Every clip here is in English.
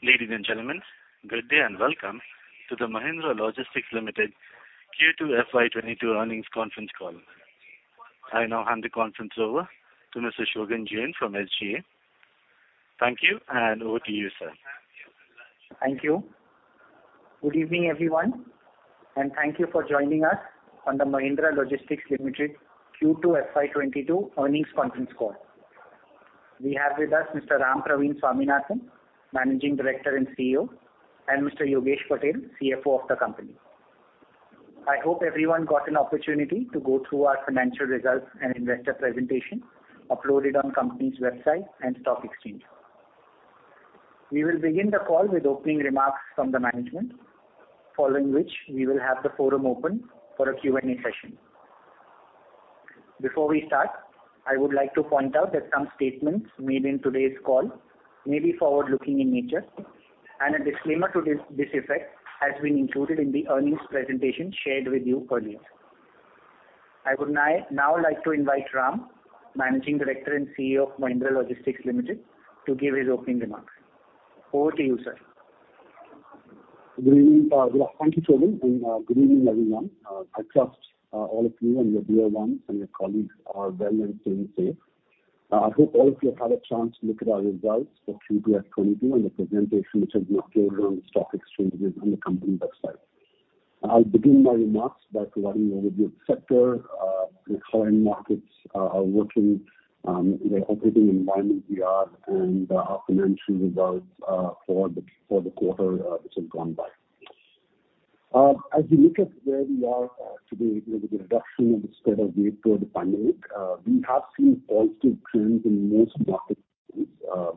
Ladies and gentlemen, good day and welcome to the Mahindra Logistics Limited Q2 FY 2022 earnings conference call. I now hand the conference over to Mr. Shogun Jain from SGA. Thank you, and over to you, sir. Thank you. Good evening, everyone, and thank you for joining us on the Mahindra Logistics Limited Q2 FY 2022 earnings conference call. We have with us Mr. Rampraveen Swaminathan, Managing Director and Chief Executive Officer, and Mr. Yogesh Patel, Chief Financial Officer of the company. I hope everyone got an opportunity to go through our financial results and investor presentation uploaded on company's website and stock exchange. We will begin the call with opening remarks from the management, following which we will have the forum open for a Q&A session. Before we start, I would like to point out that some statements made in today's call may be forward-looking in nature. A disclaimer to this effect has been included in the earnings presentation shared with you earlier. I would now like to invite Ram, Managing Director and Chief Executive Officer of Mahindra Logistics Limited, to give his opening remarks. Over to you, sir. Good evening. Thank you, Shogun, and good evening, everyone. I trust all of you and your dear ones and your colleagues are well and staying safe. I hope all of you have had a chance to look at our results for Q2 FY 2022 and the presentation, which has been uploaded on the stock exchanges and the company website. I'll begin my remarks by providing an overview of the sector, the current market scenario, the operating environment we are in and our financial results for the quarter, which has gone by. As you look at where we are today with the reduction in the spread of the COVID pandemic, we have seen positive trends in most markets, with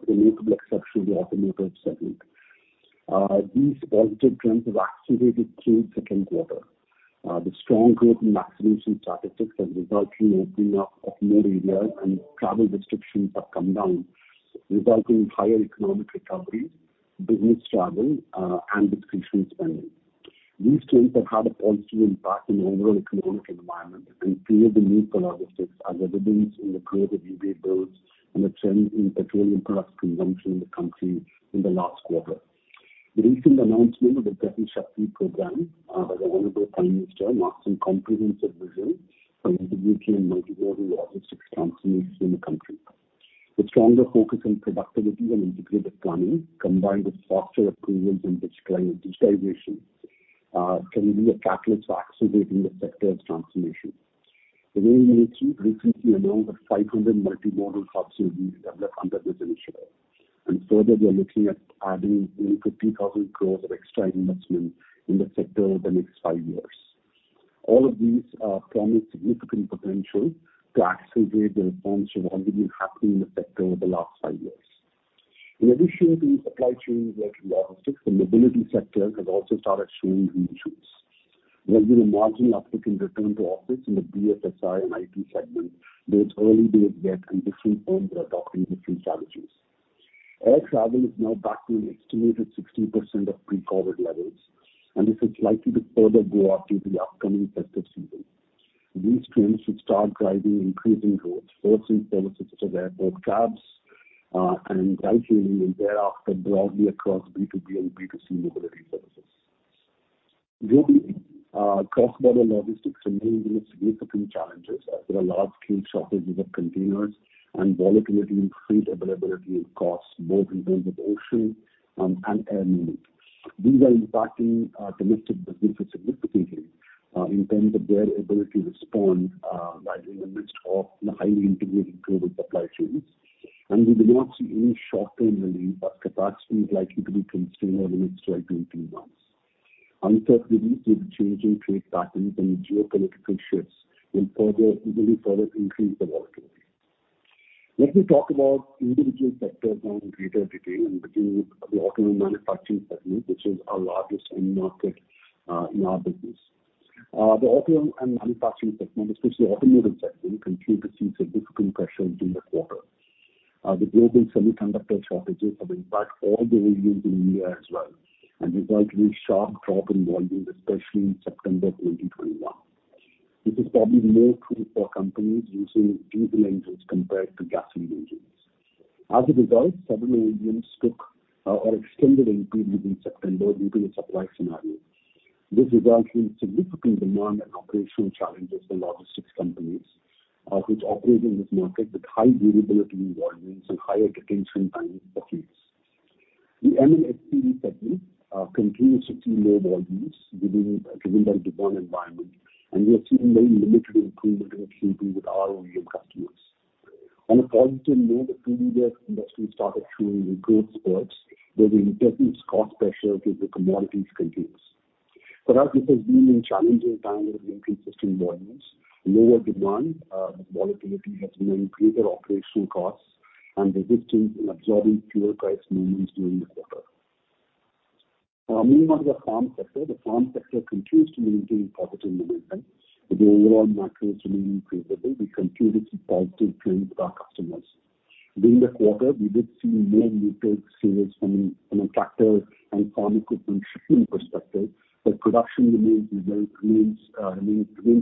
the notable exception of the automotive segment. These positive trends have accelerated through the second quarter. The strong growth in vaccination statistics has resulted in opening up of more areas, and travel restrictions have come down, resulting in higher economic recovery, business travel, and discretionary spending. These trends have had a positive impact on the overall economic environment and created a need for logistics, as evidenced in the growth of e-way bills and the trend in petroleum product consumption in the country in the last quarter. The recent announcement of the Gati Shakti program by the Honorable Prime Minister marks a comprehensive vision for integrating a multimodal logistics transformation in the country. The stronger focus on productivity and integrated planning, combined with faster approvals and discipline of deviation, can be a catalyst for accelerating the sector's transformation. The Railway Ministry recently announced that 500 multimodal hubs will be developed under this initiative. Further, we are looking at adding nearly 50,000 crore of extra investment in the sector over the next five years. All of these promise significant potential to accelerate the reforms which have already been happening in the sector over the last five years. In addition to the supply chain and logistics, the mobility sector has also started showing green shoots. There has been a marginal uptick in return to office in the BFSI and IT segment, though it's early days yet, and different firms are adopting different strategies. Air travel is now back to an estimated 60% of pre-COVID levels, and this is likely to further go up through the upcoming festive season. These trends should start driving increasing growth, first in services such as airport cabs, and eventually thereafter broadly across B2B and B2C mobility services. Globally, cross-border logistics remains with significant challenges as there are large-scale shortages of containers and volatility in freight availability and costs, both in terms of ocean and air movement. These are impacting domestic business significantly in terms of their ability to respond rapidly in the midst of the highly integrated global supply chains. We do not see any short-term relief, as capacity is likely to be constrained over the next 12-18 months. Uncertainty with changing trade patterns and geopolitical shifts will further increase the volatility. Let me talk about individual sectors now in greater detail and begin with the auto manufacturing segment, which is our largest end market in our business. The auto manufacturing segment, especially the automotive segment, continued to see significant pressure during the quarter. The global semiconductor shortages have impacted all the OEMs in India as well and resulted in sharp drop in volumes, especially in September 2021. This is probably more true for companies using diesel engines compared to gasoline engines. As a result, several OEMs took or extended increases in September due to the supply scenario. This resulted in significant demand and operational challenges for logistics companies, which operate in this market with high variability in volumes and higher detention time for fleets. The M&HCV segment continues to see low volumes, driven by demand environment, and we are seeing very limited improvement in H2 with our OEM customers. On a positive note, the three-wheeler industry started showing improved splits, though the intense cost pressure due to commodities continues. For us, this has been a challenging time with inconsistent volumes. Lower demand, volatility has meant greater operational costs and resistance in absorbing fuel price movements during the quarter. Now, moving on to the farm sector. The farm sector continues to maintain positive momentum. With the overall macros remaining favorable, we continue to see positive trends with our customers. During the quarter, we did see more retail sales from a tractor and farm equipment shipping perspective, but production remains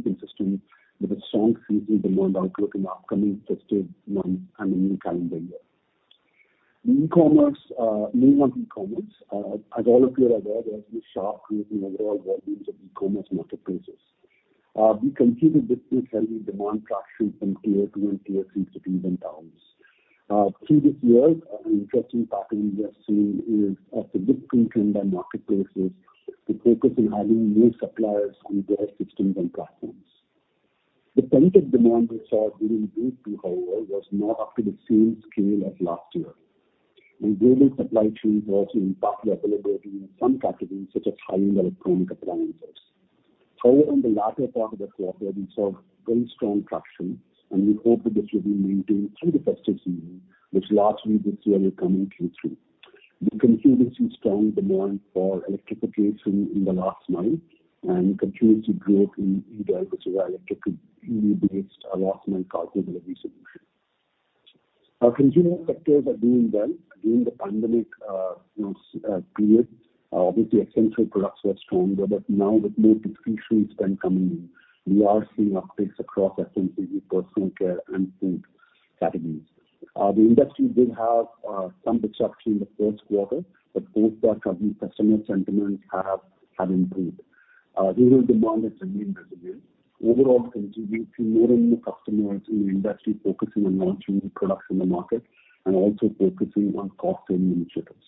consistent, with a strong seasonal demand outlook in the upcoming festive month and the new calendar year. E-commerce, moving on to e-commerce. As all of you are aware, there has been sharp increase in overall volumes of e-commerce marketplaces. We continue to witness healthy demand traction from tier two and tier three cities and towns. Through this year, an interesting pattern we are seeing is a significant trend by marketplaces to focus on adding new suppliers on their systems and platforms. The pent-up demand we saw during wave two, however, was not up to the same scale as last year, and global supply chains also impacted availability in some categories such as high-end electronic appliances. However, in the latter part of the quarter, we saw very strong traction, and we hope that this will be maintained through the festive season, which largely this year is coming Q3. We continue to see strong demand for electrification in the last mile and continued to grow in e-bikes as well, electric, e-based, last mile cargo delivery solution. Our consumer sectors are doing well during the pandemic, you know, period. Obviously, essential products were stronger. Now with more discretionary spend coming in, we are seeing uptakes across FMCG, personal care, and food categories. The industry did have some disruption in the first quarter, but post that, consumer sentiments have improved. Rural demand has remained resilient, overall contributing to more and more customers in the industry focusing on launching new products in the market and also focusing on cost and initiatives.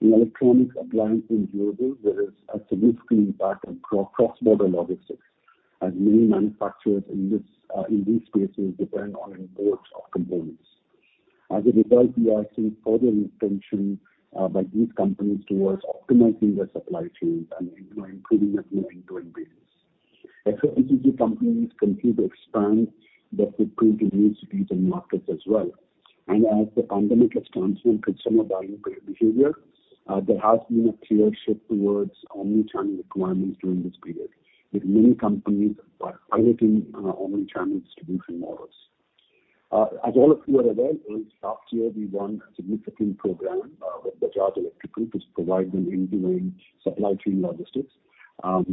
In electronics, appliance, and durables, there is a significant impact on cross-border logistics, as many manufacturers in these spaces depend on imports of components. As a result, we are seeing further attention by these companies towards optimizing their supply chains and, you know, improving their delivery base. FMCG companies continue to expand their footprint in new cities and markets as well. As the pandemic has transformed consumer buying behavior, there has been a clear shift towards omnichannel requirements during this period, with many companies are piloting omnichannel distribution models. As all of you are aware, last year we won a significant program with Bajaj Electricals Limited, which provide them end-to-end supply chain logistics.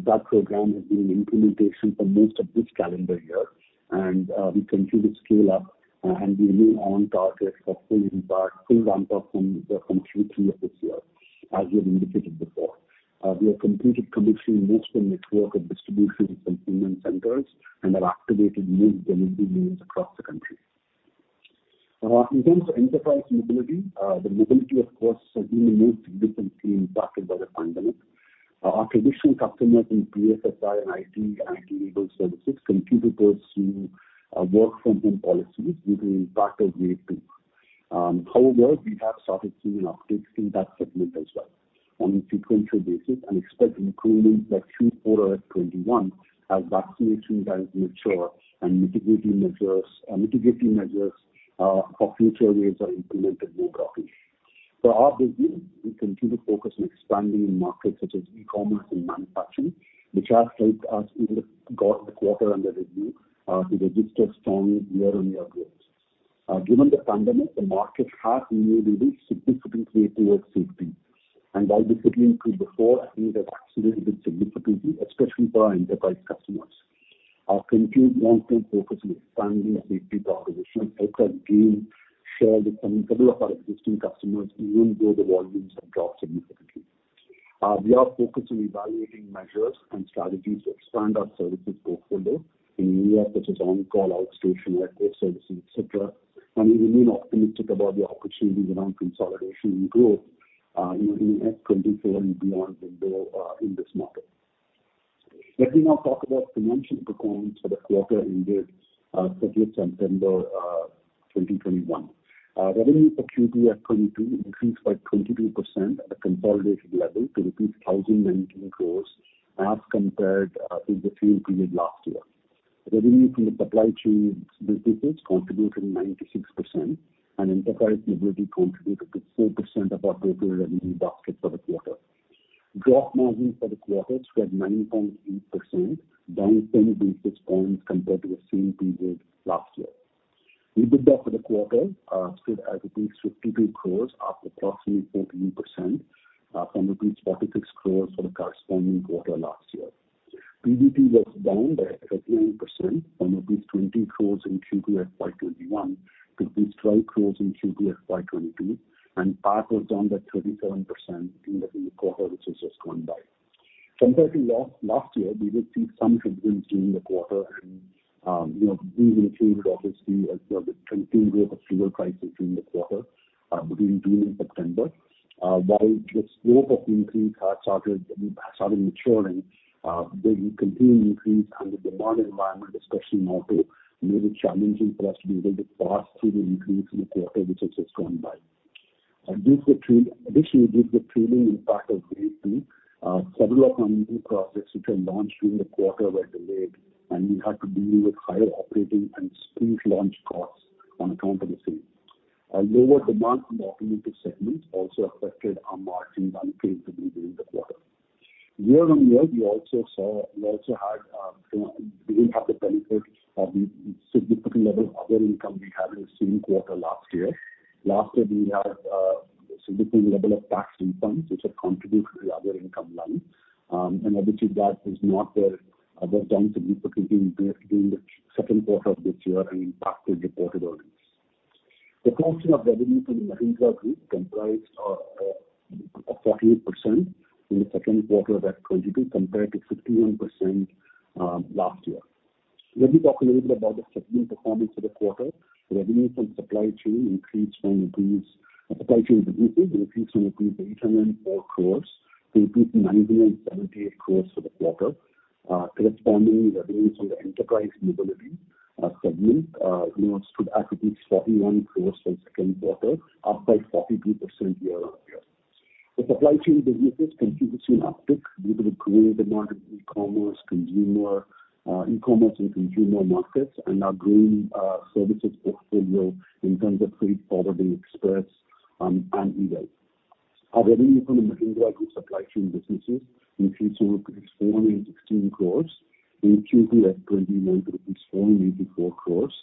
That program has been in implementation for most of this calendar year, and we continue to scale up, and we remain on target for full impact, full ramp up from Q3 of this year, as we have indicated before. We have completed commissioning most of the network of distribution fulfillment centers and have activated new delivery nodes across the country. In terms of Enterprise Mobility, the mobility, of course, has been the most significantly impacted by the pandemic. Our traditional customers in BFSI and IT and IT-enabled services continued to pursue work from home policies due to the impact of wave two. However, we have started seeing an uptake in that segment as well on a sequential basis and expect improvement by Q4 of FY 2021 as vaccination drives mature and mitigating measures for future waves are implemented more cautiously. For our business, we continue to focus on expanding in markets such as e-commerce and manufacturing, which has helped us in the quarter under review to register strong year-on-year growth. Given the pandemic, the market has moved in a significant way towards safety, and while this had improved before, I think it has accelerated significantly, especially for our enterprise customers. Our continued long-term focus on expanding safety propositions helped us gain share with some couple of our existing customers, even though the volumes have dropped significantly. We are focused on evaluating measures and strategies to expand our services portfolio in areas such as on-call outstation network services, et cetera, and we remain optimistic about the opportunities around consolidation and growth in FY 2024 and beyond this year in this market. Let me now talk about financial performance for the quarter ended thirtieth September 2021. Revenue for Q2 FY 2022 increased by 22% at a consolidated level to rupees 1,090 crores as compared with the same period last year. Revenue from the Supply Chain businesses contributed 96% and Enterprise Mobility contributed 4% of our total revenue basket for the quarter. Gross margin for the quarter stood at 90.8%, down 10 basis points compared to the same period last year. EBITDA for the quarter stood at 52 crore, up approximately 14% from 46 crore for the corresponding quarter last year. PBT was down by 13% from 20 crore in Q2 FY 2021-INR 12 crore in Q2 FY 2022, and PAT was down by 37% in the quarter which has just gone by. Compared to last year, we did see some headwinds during the quarter. These included obviously, you know, the continued rise of fuel prices during the quarter between June and September. While the scope of the increase has started maturing, the continued increase and the demand environment, especially in auto, made it challenging for us to be able to pass through the increase in the quarter which has just gone by. Additionally, with the trailing impact of wave two, several of our new projects which were launched during the quarter were delayed, and we had to deal with higher operating and spooled launch costs on account of the same. A lower demand from the automotive segment also affected our margins unfavorably during the quarter. Year-on-year, we also had, you know, didn't have the benefit of the significant level of other income we had in the same quarter last year. Last year we had between the level of tax income which have contributed to the other income line, and obviously that is not there, was done significantly in the second quarter of this year and impacted reported earnings. The portion of revenue from Mahindra Group comprised 48% in the second quarter of FY 2022 compared to 51% last year. Let me talk a little bit about the segment performance for the quarter. Supply chain businesses increased from 804 crores-978 crores for the quarter. Corresponding revenues from the enterprise mobility segment stood at 41 crores for the second quarter, up by 42% year-on-year. The supply chain businesses continue to see an uptick due to the growing demand in e-commerce and consumer markets and our growing services portfolio in terms of freight forwarding, express and e-rail. Our revenue from the Mahindra Group supply chain businesses increased to 416 crores in Q2 at 29 to 484 crores.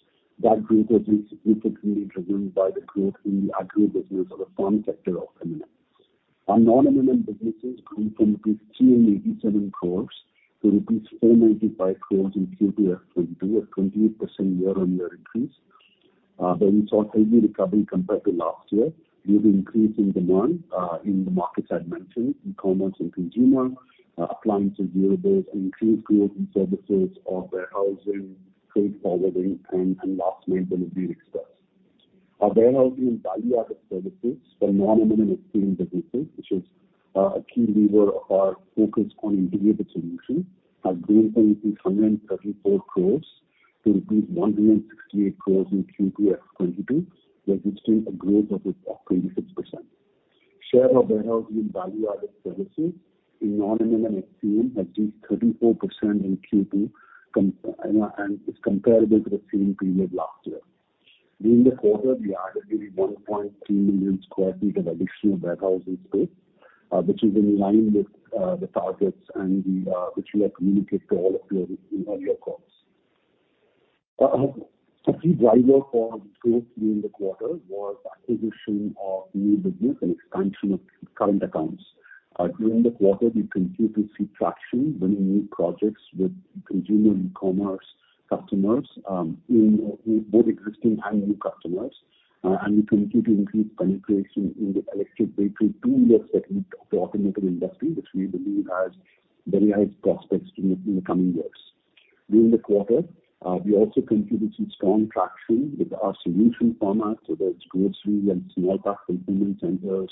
That growth was significantly driven by the growth in the agri business or the farm sector of M&M. Our non-M&M businesses grew from 287 crores-495 crores rupees in Q2 FY 2022, a 28% year-on-year increase. There we saw steady recovery compared to last year due to increase in demand in the markets I'd mentioned, e-commerce and consumer appliances durables, increased growth in services of warehousing, freight forwarding and last mile delivery express. Our warehousing and value-added services for non-M&M FCL businesses, which is a key lever of our focus on integrated solution, have grown from INR 134 crores-INR 168 crores in Q2 FY 2022, registering a growth of 26%. Share of warehousing and value-added services in non-M&M FCL achieved 34% in Q2 and is comparable to the same period last year. During the quarter we added 1.2 million sq ft of additional warehousing space, which is in line with the targets and the which we have communicated to all of you in earlier calls. A key driver for growth during the quarter was acquisition of new business and expansion of current accounts. During the quarter we continued to see traction winning new projects with consumer e-commerce customers with both existing and new customers. We continue to increase penetration in the electric vehicle two-wheeler segment of the automotive industry which we believe has very high prospects in the coming years. During the quarter, we also continued to see strong traction with our solution format, whether it's grocery and small part fulfillment centers,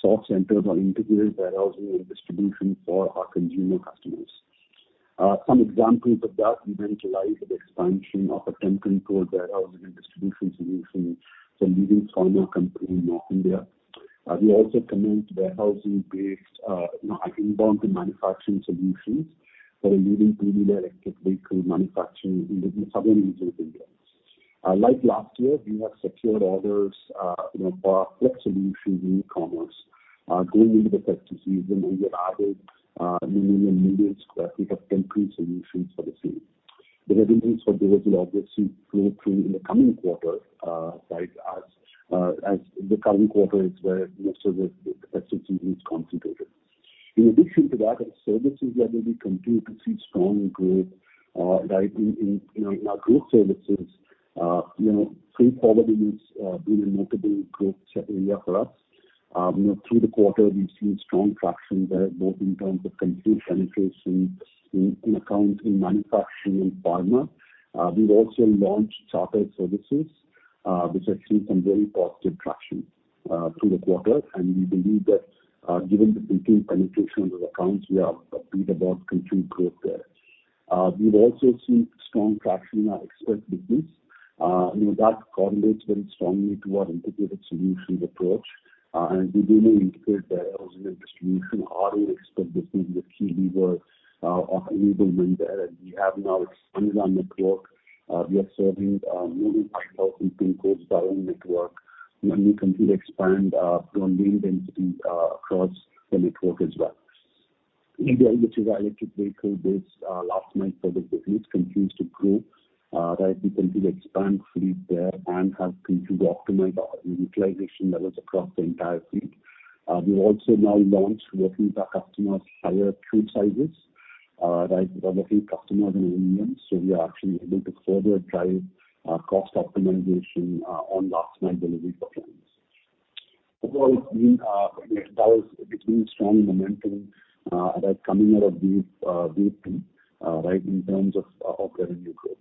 sort centers or integrated warehousing and distribution for our consumer customers. Some examples of that, we internalized the expansion of a temperature-controlled warehousing and distribution solution for a leading pharma company in North India. We also commenced warehousing-based, you know, inbound to manufacturing solutions for a leading two-wheeler electric vehicle manufacturer in the southern region of India. Like last year, we have secured orders, you know, for our flex solutions in e-commerce. Going into the festive season, we have added 1 million and 1 million sq ft of temporary solutions for the same. The revenues for those will obviously flow through in the coming quarter, right. As the current quarter is where most of the festive season is concentrated. In addition to that, our services revenue continued to see strong growth, right. In our growth services, you know, freight forwarding has been a multiple growth area for us. You know, through the quarter we've seen strong traction there, both in terms of continued penetration in accounts in manufacturing and pharma. We've also launched charter services, which have seen some very positive traction through the quarter. We believe that, given the continued penetration of accounts, we are upbeat about continued growth there. We've also seen strong traction in our express business. You know, that correlates very strongly to our integrated solutions approach. We believe integrated warehousing and distribution are an express business with key levers of enablement there. We have now expanded our network. We are serving nearly 5,000 pin codes by own network, and we continue to expand from adding density across the network as well. eDeL, which is our electric vehicle-based last-mile delivery business continues to grow. We continue to expand fleet there and have continued to optimize our utilization levels across the entire fleet. We've also now launched working with our customers higher tote sizes. We are working with customers in millions, so we are actually able to further drive cost optimization on last mile delivery for clients. Overall it's been, you know, that was been strong momentum, right coming out of these, deep, right, in terms of of revenue growth.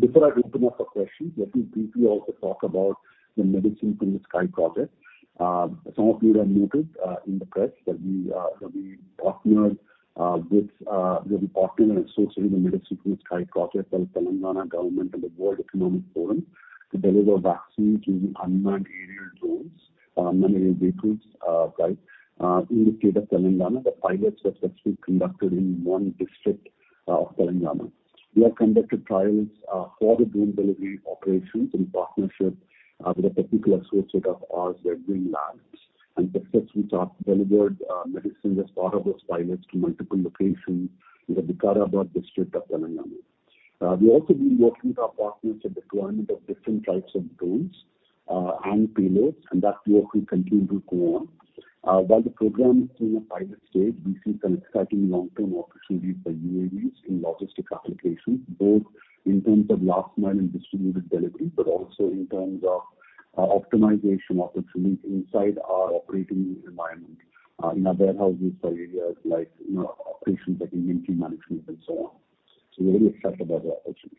Before I open up for questions, let me briefly also talk about the Medicine from the Sky project. Some of you have noted in the press that we that we partnered with we have partnered and associated the Medicine from the Sky project with Telangana government and the World Economic Forum to deliver vaccines using unmanned aerial drones, unmanned aerial vehicles. Right. In the state of Telangana, the pilots were successfully conducted in one district of Telangana. We have conducted trials for the drone delivery operations in partnership with a particular associate of ours at Grene Robotics. Successfully delivered medicine as part of those pilots to multiple locations in the Hyderabad district of Telangana. We've also been working with our partners on deployment of different types of drones and payloads, and that work will continue to go on. While the program is in a pilot stage, we see some exciting long-term opportunities for UAVs in logistics applications, both in terms of last mile and distributed delivery, but also in terms of optimization opportunities inside our operating environment in our warehouses for areas like, you know, operations like inventory management and so on. We're very excited about that opportunity.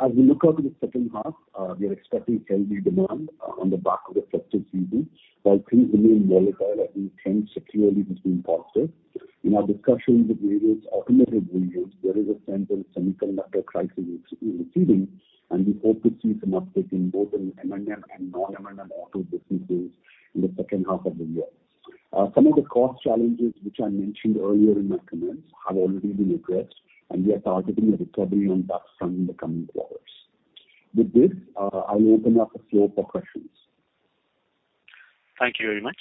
As we look out to the second half, we are expecting healthy demand on the back of a festive season, while pre-book volumes are, I think, trending positively. In our discussions with various automotive OEMs, there is a sense of semiconductor crisis receding, and we hope to see some uptake in both M&M and non-M&M auto businesses in the second half of the year. Some of the cost challenges which I mentioned earlier in my comments have already been addressed, and we are targeting a recovery on that front in the coming quarters. With this, I'll open up the floor for questions. Thank you very much.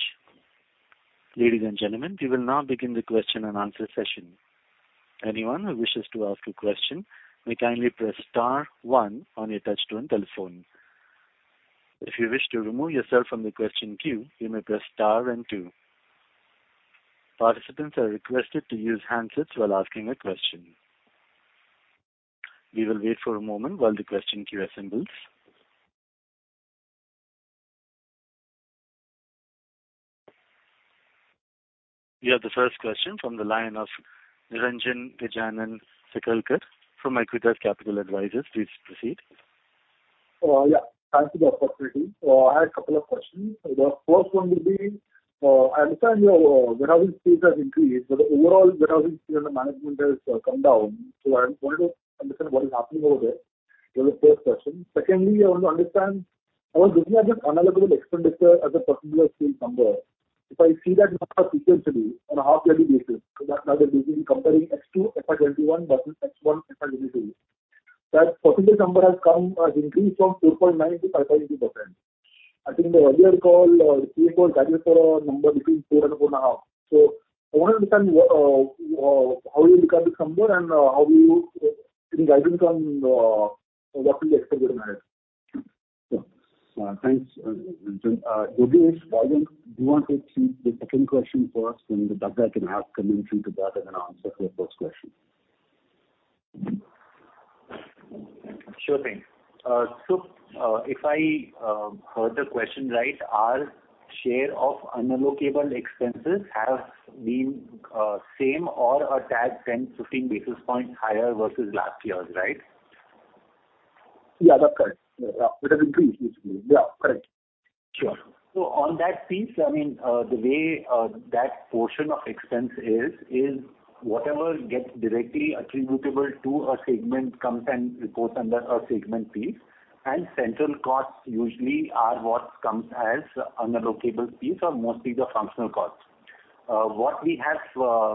Ladies and gentlemen, we will now begin the question-and-answer session. Anyone who wishes to ask a question may kindly press star one on your touchtone telephone. If you wish to remove yourself from the question queue, you may press star then two. Participants are requested to use handsets while asking a question. We will wait for a moment while the question queue assembles. We have the first question from the line of Niranjan Gajanan Sakalkar from Acuitas Capital Advisors. Please proceed. Yeah. Thanks for the opportunity. I have a couple of questions. The first one will be, I understand your warehousing space has increased, but the overall warehousing space under management has come down. I just wanted to understand what is happening over there. That was the first question. Secondly, I want to understand how business has unallocated expenditure as a percentage number. If I see that sequentially on a half yearly basis, that's now we'll be comparing H2 FY 2021 versus H1 FY 2022. That percentage number has increased from 4.9%-5.2%. I think in the earlier call, the team was guiding for a number between 4% and 4.5%. I want to understand how you look at this number and how you... Any guidance on, what to expect going ahead? Sure. Thanks, Niranjan. Yogesh, Rajan, do you want to take the second question first, and then Duggal can add comments into that as an answer for the first question? Sure thing. If I heard the question right, our share of unallocable expenses have been same or a tad 10 basis points-15 basis points higher versus last year's, right? Yeah, that's correct. Yeah. With an increase, basically. Yeah. Correct. Sure. On that piece, I mean, the way that portion of expense is whatever gets directly attributable to a segment comes and reports under a segment piece. Central costs usually are what comes as unallocable piece or mostly the functional costs. What we have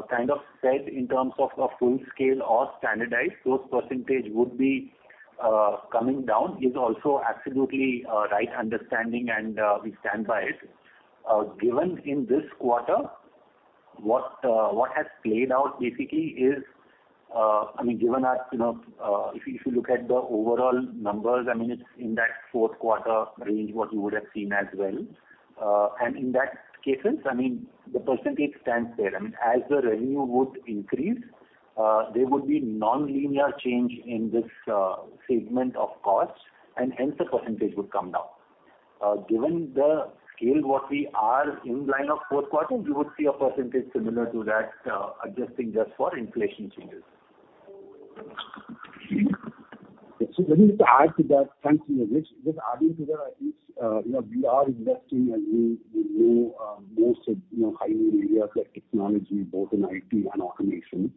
kind of said in terms of a full scale or standardized those percentages would be coming down is also absolutely right understanding and we stand by it. Given in this quarter, what has played out basically is, I mean, given our, you know, if you look at the overall numbers, I mean, it's in that fourth quarter range what you would have seen as well. In those cases, I mean, the percentage stands there. I mean, as the revenue would increase, there would be nonlinear change in this segment of costs, and hence the percentage would come down. Given the scale what we are in line with fourth quarter, you would see a percentage similar to that, adjusting just for inflation changes. Let me just add to that. Thanks, Niranjan. Just adding to that. We are investing, as we know, most of high growth areas like technology, both in IT and automation.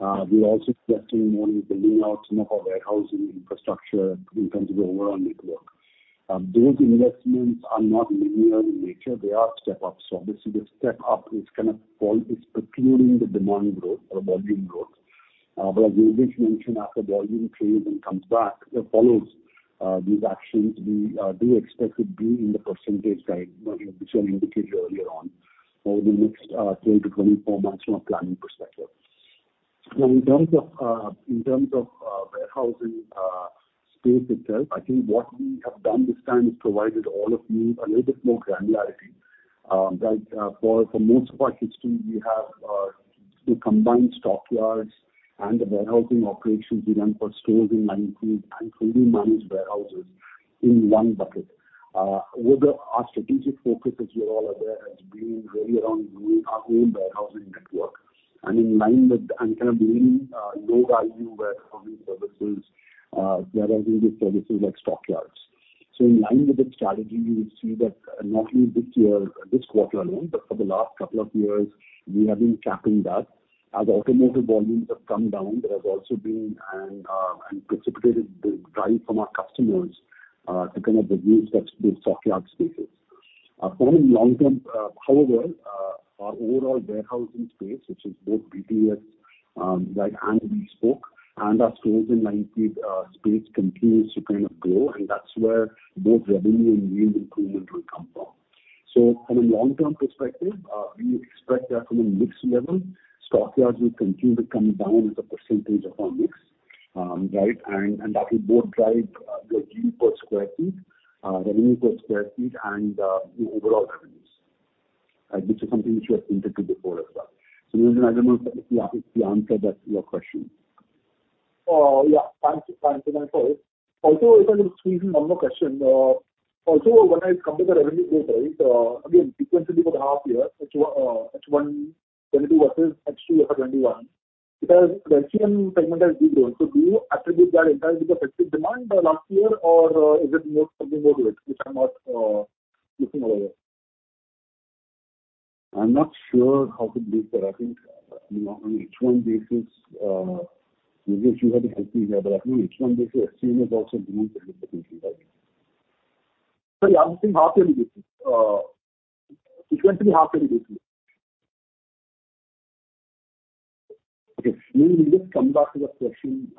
We're also investing more into building out our warehousing infrastructure in terms of overall network. Those investments are not linear in nature. They are step-ups. Obviously the step-up is preceding the demand growth or volume growth. But as Yogesh mentioned, as the volume trades and comes back, it follows these actions. We do expect it to be in the percentage guide which I indicated earlier on over the next 12 months-24 months from a planning perspective. Now in terms of warehousing space itself, I think what we have done this time is provided all of you a little bit more granularity. For most of our history, we have combined stockyards and the warehousing operations we run for stores, inventory and fully managed warehouses in one bucket. With our strategic focus, as you're all aware, has been really around growing our own warehousing network and kind of building low-value warehousing services, warehousing with services like stockyards. In line with this strategy, you will see that not only this year, this quarter alone, but for the last couple of years, we have been capping that. As automotive volumes have come down, there has also been a precipitate drive from our customers to kind of reduce that stockyard spaces. In the long term, however, our overall warehousing space, which is both BTS, like Anil spoke, and our stored-in-transit space continues to kind of grow, and that's where both revenue and yield improvement will come from. From a long-term perspective, we expect that from a mix level, stockyards will continue to come down as a percentage of our mix. That will both drive the yield per sq ft, the revenue per sq ft and the overall revenues. This is something which you have hinted to before as well. Yogesh, I don't know if that answers your question. Yeah. Thanks for that, sir. Also, if I could squeeze in one more question. Also when I come to the revenue growth, right, again, sequentially for the half year, H1 2022 versus H2 FY 2021, because the SCM segment has de-grown. Do you attribute that entirely to festive demand last year or is it more, something more to it, which I'm not looking over? I'm not sure how to do that. I think, you know, on H1 basis, Yogesh you have to help me here, but I think H1 basis SCM has also grown significantly, right? Sorry, I'm saying half yearly basis. Sequentially half yearly basis. Okay. Maybe we just come back to that question,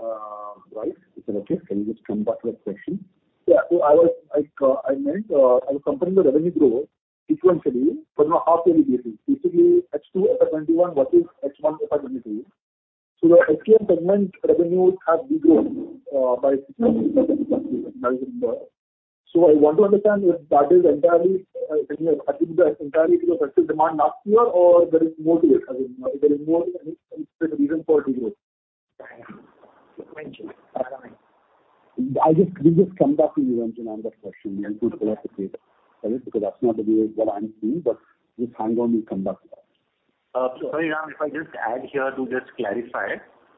right? Is that okay? Can we just come back to that question? I meant I was comparing the revenue growth sequentially on a half-yearly basis, basically H2 FY 2021 versus H1 FY 2022. The SCM segment revenues have de-grown by 6.7% as you know. I want to understand if that is entirely, can you attribute that entirely to the festive demand last year or there is more to it. I mean, if there is more to it, any specific reason for de-growth? We just come back to you, Yogesh, on that question. We include all of the data. All right? Because that's not the way that I'm seeing, but just hang on, we come back to that. Sorry, Ram, if I just add here to just clarify.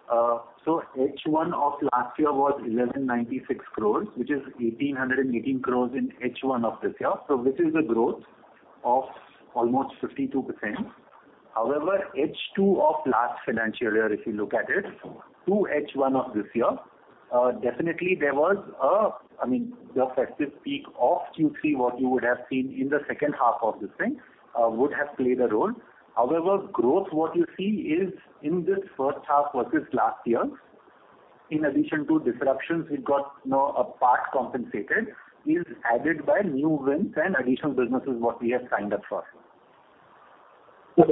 H1 of last year was 1,196 crores, which is 1,818 crores in H1 of this year. This is a growth of almost 52%. However, H2 of last financial year, if you look at it, to H1 of this year, definitely there was a, I mean, the festive peak of Q3, what you would have seen in the second half of this thing, would have played a role. However, growth, what you see is in this first half versus last year's, in addition to disruptions, we got, you know, a part compensated, is added by new wins and additional businesses what we have signed up for. Can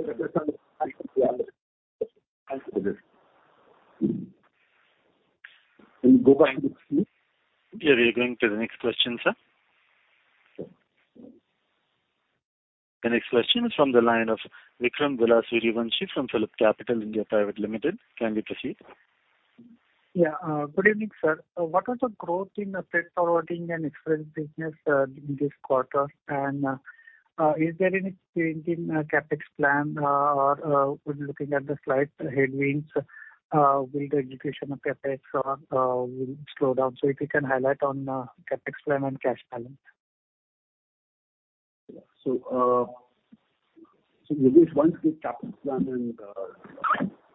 we go to next, please? Yeah. We are going to the next question, sir. The next question is from the line of Vikram Balasubramanian from PhillipCapital India Private Limited. Can we proceed? Yeah. Good evening, sir. What was the growth in freight forwarding and express business in this quarter? Is there any change in CapEx plan, or when looking at the slight headwinds, will the execution of CapEx slow down? If you can highlight on CapEx plan and cash balance. Maybe once the CapEx plan and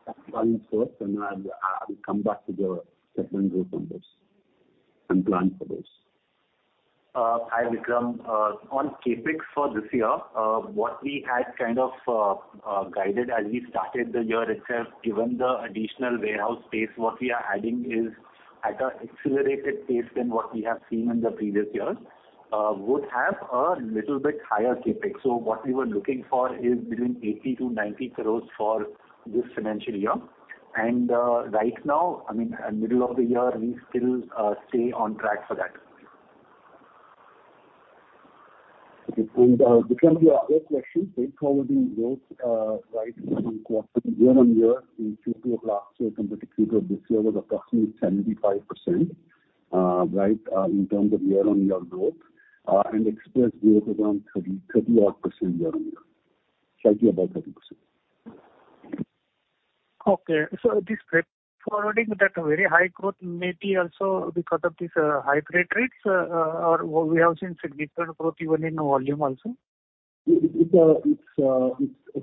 cash balance first, and I'll come back to the segment growth numbers and plan for those. Hi, Vikram. On CapEx for this year, what we had kind of guided as we started the year itself, given the additional warehouse space what we are adding is at a accelerated pace than what we have seen in the previous years, would have a little bit higher CapEx. What we were looking for is between 80 crores-90 crores for this financial year. Right now, I mean, at middle of the year, we still stay on track for that. Okay. Vikram, to your other question, freight forwarding growth right in Q2 year-on-year in last year compared to this year was approximately 75%, right, in terms of year-on-year growth. Express grew around 30-odd% year-on-year. Slightly above 30%. Okay. This freight forwarding that very high growth may be also because of these, high freight rates, or we have seen significant growth even in volume also? It's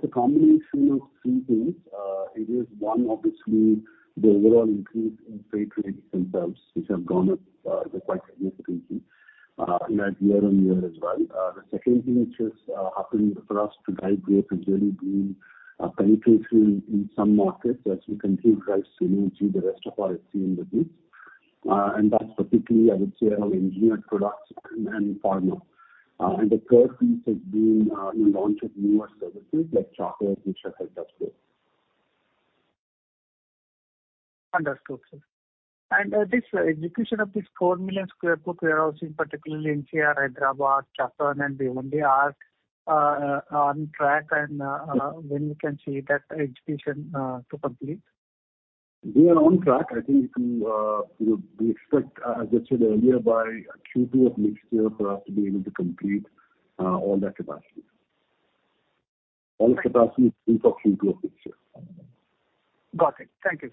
a combination of three things. It is one, obviously the overall increase in freight rates themselves, which have gone up quite significantly, like year-over-year as well. The second thing which is happening for us to drive growth is really been penetration in some markets as we continue to drive synergy the rest of our SCM business. That's particularly I would say on engineered products and pharma. The third piece has been we launched newer services like charter, which have helped us grow. Understood, sir. This execution of 4 million sq ft warehousing, particularly NCR, Vikarabad, Chhattisgarh and Pune, they are on track and when we can see that execution to complete? We are on track. I think, you know, we expect, as I said earlier, by Q2 of next year for us to be able to complete all that capacity. All this capacity is inflection growth this year. Got it. Thank you,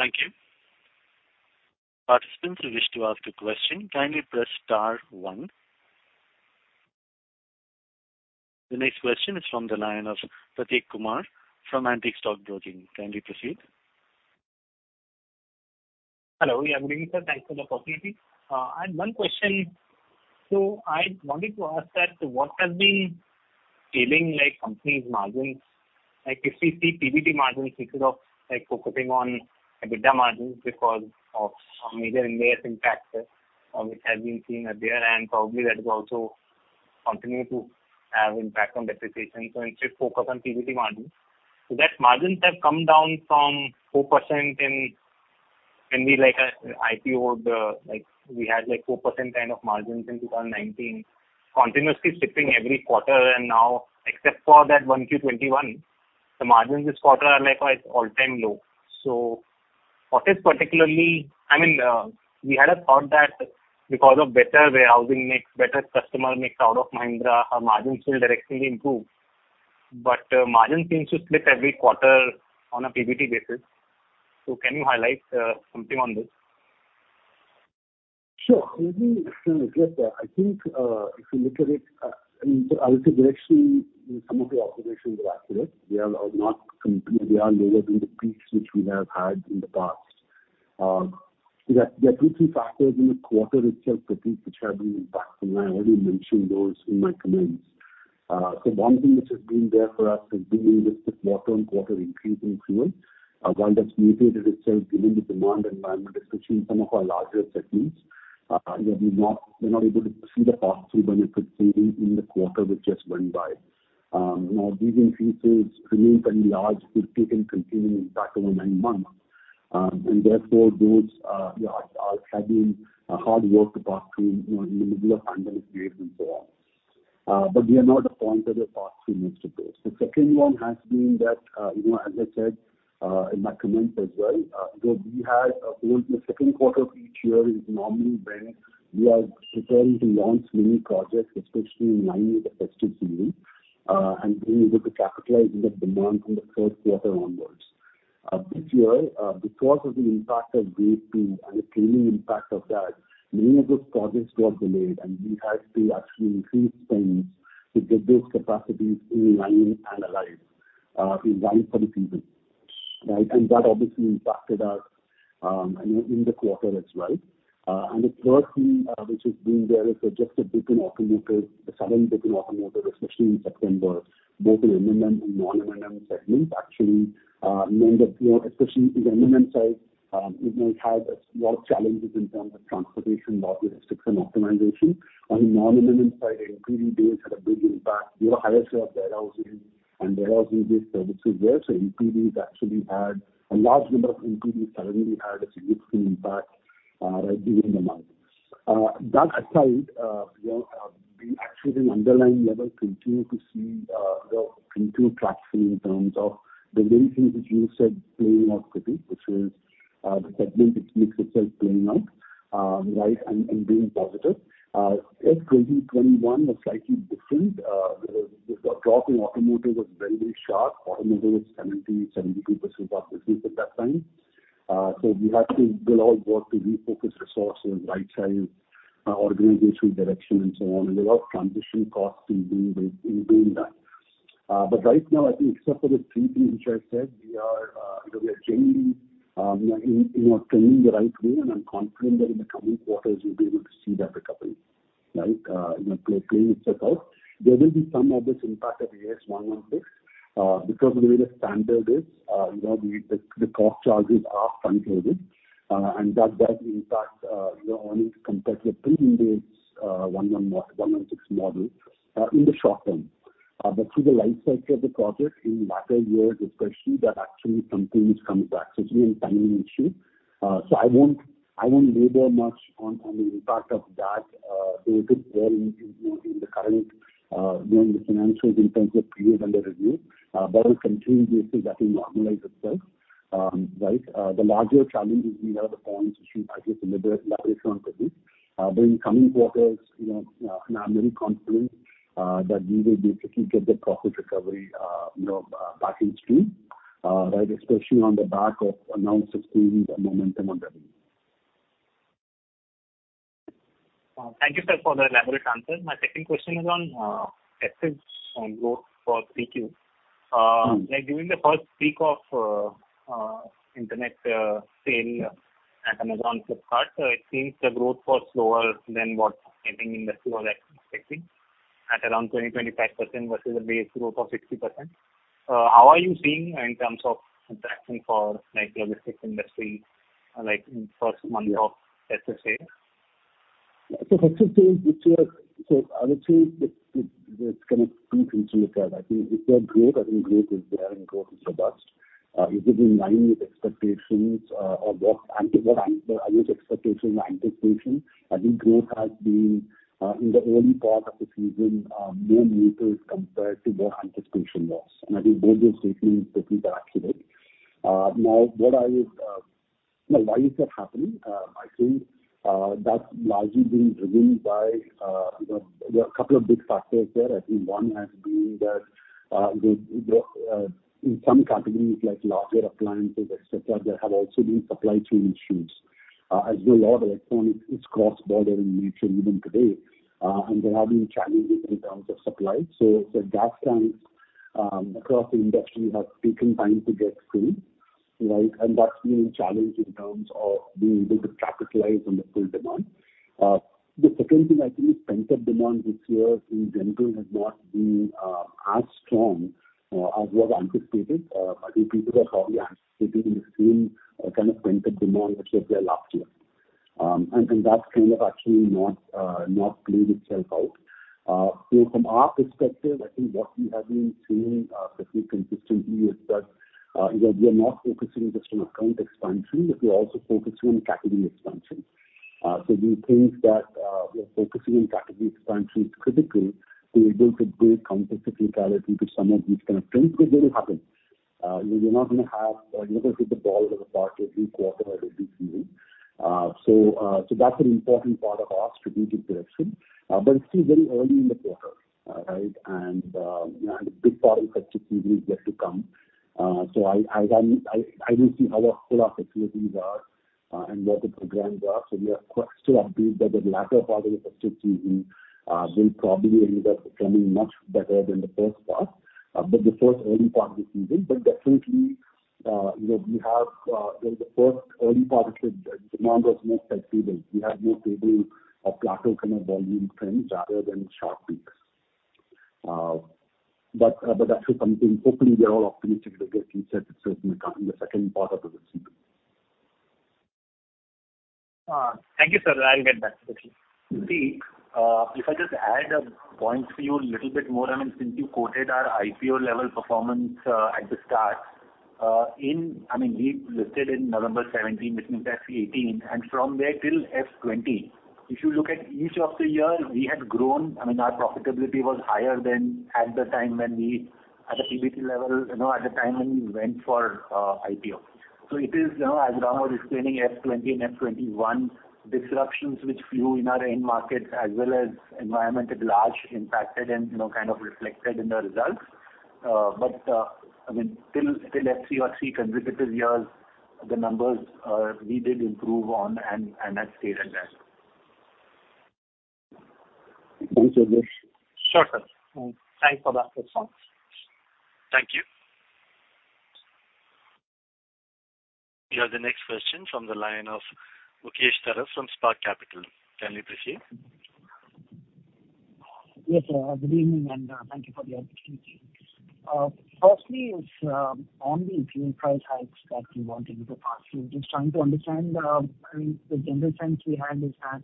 sir. Thank you. Participants who wish to ask a question, kindly press star one. The next question is from the line of Prateek Kumar from Antique Stock Broking. Can we proceed? Hello. Yeah. Good evening, sir. Thanks for the opportunity. I have one question. I wanted to ask that what has been feeling like company's margins, like if we see PBT margins instead of like focusing on EBITDA margins because of some major impact which has been seen there and probably that will also continue to have impact on depreciation. Instead focus on PBT margins. That margins have come down from 4% in, when we like IPO'd, like we had like 4% kind of margins in 2019 continuously slipping every quarter. Now except for that one Q1 2021, the margins this quarter are like all-time low. What is particularly I mean, we had a thought that because of better warehousing mix, better customer mix out of Mahindra, our margins will directly improve. Margin seems to slip every quarter on a PBT basis. Can you highlight something on this? Sure. I guess, I think, if you look at it, I mean, I would say directly some of the observations are accurate. We are lower than the peaks which we have had in the past. There are two, three factors in the quarter itself, Prateek, which have been impactful, and I already mentioned those in my comments. One thing which has been there for us has been the quarter-on-quarter increase in fuel. While that's mitigated itself given the demand environment, especially in some of our larger segments, we're not able to see the pass-through benefits in the quarter which just went by. Now these increases remain fairly large, could take and continue impact over nine months. Therefore those are having a hard time to pass through, you know, in the middle of pandemic phase and so on. We are not disappointed with pass-through mix to this. The second one has been that, you know, as I said, in my comments as well, the second quarter of each year is normally when we are preparing to launch many projects, especially in line with the festive season, and being able to capitalize on the demand from the third quarter onwards. This year, because of the impact of wave two and the trailing impact of that, many of those projects got delayed, and we had to actually increase spends to get those capacities online, in line for the season. Right? That obviously impacted us in the quarter as well. The third thing, which has been there, is just a sudden dip in automotive, especially in September, both in M&M and non-M&M segments. Actually, M&M, you know, especially in the M&M side, you know, had a lot of challenges in terms of transportation logistics and optimization. On the non-M&M side, non-PV deals had a big impact. We have a higher share of warehousing and warehousing-based services there. So a large number of non-PVs suddenly had a significant impact, right during the month. That aside, you know, we actually the underlying levels continue to see, you know, improve traction in terms of the very things which you said playing out, Prateek, which is, the segment itself playing out, right, and being positive. Yes, 2021 was slightly different. The drop in automotive was very sharp. Automotive was 72% of our business at that time. We had to do a lot of work to refocus resources, right size, organizational direction and so on, and there were transition costs in doing this, in doing that. Right now I think except for the three things which I said, we are, you know, we are changing, you know, in, you know, trending the right way. I'm confident that in the coming quarters you'll be able to see that recovery, right, you know, playing itself out. There will be some of this impact of Ind AS 116, because the way the standard is, you know, the cost charges are front loaded. That does impact, you know, earnings compared to a pre-Ind AS 116 model, in the short term. But through the life cycle of the project in latter years especially, that actually sometimes comes back. So it's really a timing issue. I won't labor much on the impact of that. It is there in the current, you know, in the financials in terms of P&L review. But on a continuing basis that will normalize itself. The larger challenges we have, the points which we discussed, elaborated on, Prateek. In coming quarters, you know, and I'm very confident that we will be able to get the profit recovery, you know, back on stream, right, especially on the back of enhanced 16% momentum on FVL. Thank you, sir, for the elaborate answer. My second question is on asset growth for Q3. Mm-hmm. Like during the first week of internet sale at Amazon, Flipkart, it seems the growth was slower than what I think industry was expecting at around 20%-25% versus a base growth of 60%. How are you seeing in terms of traction for like logistics industry, like in first month of festive sale? Festive sales this year, I would say it's kind of two things to look at. I think if you have growth, I think growth is there and growth is robust. Is it in line with expectations or anticipation? I think growth has been in the early part of the season more muted compared to what anticipation was. I think both those statements, Prateek, are accurate. Now, why is that happening? I think that's largely being driven by you know, there are a couple of big factors there. I think one has been that the in some categories like larger appliances, et cetera, there have also been supply chain issues. As you know, a lot of electronics is cross-border in nature even today. There have been challenges in terms of supply. Across the industry, we have taken time to get free, right? That's been a challenge in terms of being able to capitalize on the full demand. The second thing I think is pent-up demand this year in general has not been as strong as was anticipated. I think people are probably anticipating the same kind of pent-up demand which was there last year. That's kind of actually not playing itself out. From our perspective, I think what we have been seeing fairly consistently is that you know, we are not focusing just on account expansion, but we are also focusing on category expansion. We think that we are focusing on category expansion is critical to be able to build complexity, plurality to some of these kind of trends, because they will happen. You're not gonna hit the ball out of the park every quarter or every season. That's an important part of our strategic direction. It's still very early in the quarter, right? You know, the big part of festive season is yet to come. I will see how our full festive season are, and what the programs are. We are quite still upbeat that the latter part of the festive season will probably end up becoming much better than the first part, than the first early part of the season. Definitely, you know, we have, you know, the first early part of the demand was more predictable. We had more stable or plateau kind of volume trends rather than sharp peaks. That should come in. Hopefully, we are all optimistic that we have reset certain account in the second part of the season. Thank you, sir. I'll get back to you. See, if I just add a point for you a little bit more, I mean, since you quoted our IPO level performance at the start. I mean, we listed in November 2017, which means FY 2018, and from there till FY 2020, if you look at each of the years, we had grown. I mean, our profitability was higher than at the time when we, at the PBT level, you know, at the time when we went for IPO. It is, you know, as Ram was explaining FY 2020 and FY 2021 disruptions which flew in our end markets as well as environment at large impacted and, you know, kind of reflected in the results. I mean, till FY 2023 or three consecutive years, the numbers we did improve on and have stayed at that. Thanks, Yogesh. Sure, sir. Thanks. Thanks for the update. Thank you. We have the next question from the line of Mukesh Saraf from Spark Capital. Can we proceed? Yes, sir. Good evening, and thank you for the opportunity. Firstly is on the fuel price hikes that you wanted me to pass through. Just trying to understand, I mean, the general sense we had is that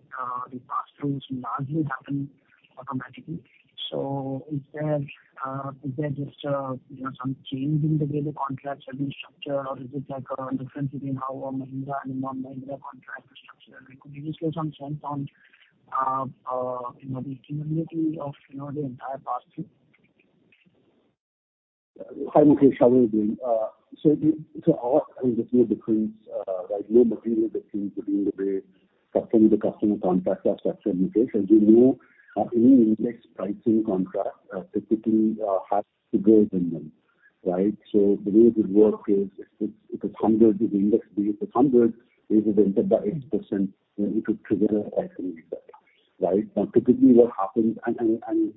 the pass-throughs largely happen automatically. Is there just you know some change in the way the contracts have been structured? Or is it like a difference between how a Mahindra and a non-Mahindra contract is structured? And could you just give some sense on you know the cumulative of you know the entire pass-through? Hi, Mukesh. How are you doing? Our, I mean, there's no difference, like no material difference between the way the customer contracts are structured, Mukesh. We know any index pricing contract typically has triggers in them, right? The way it would work is if the index base is 100, it increases by 8%, you know, it would trigger a pricing reset, right? Typically, what happens and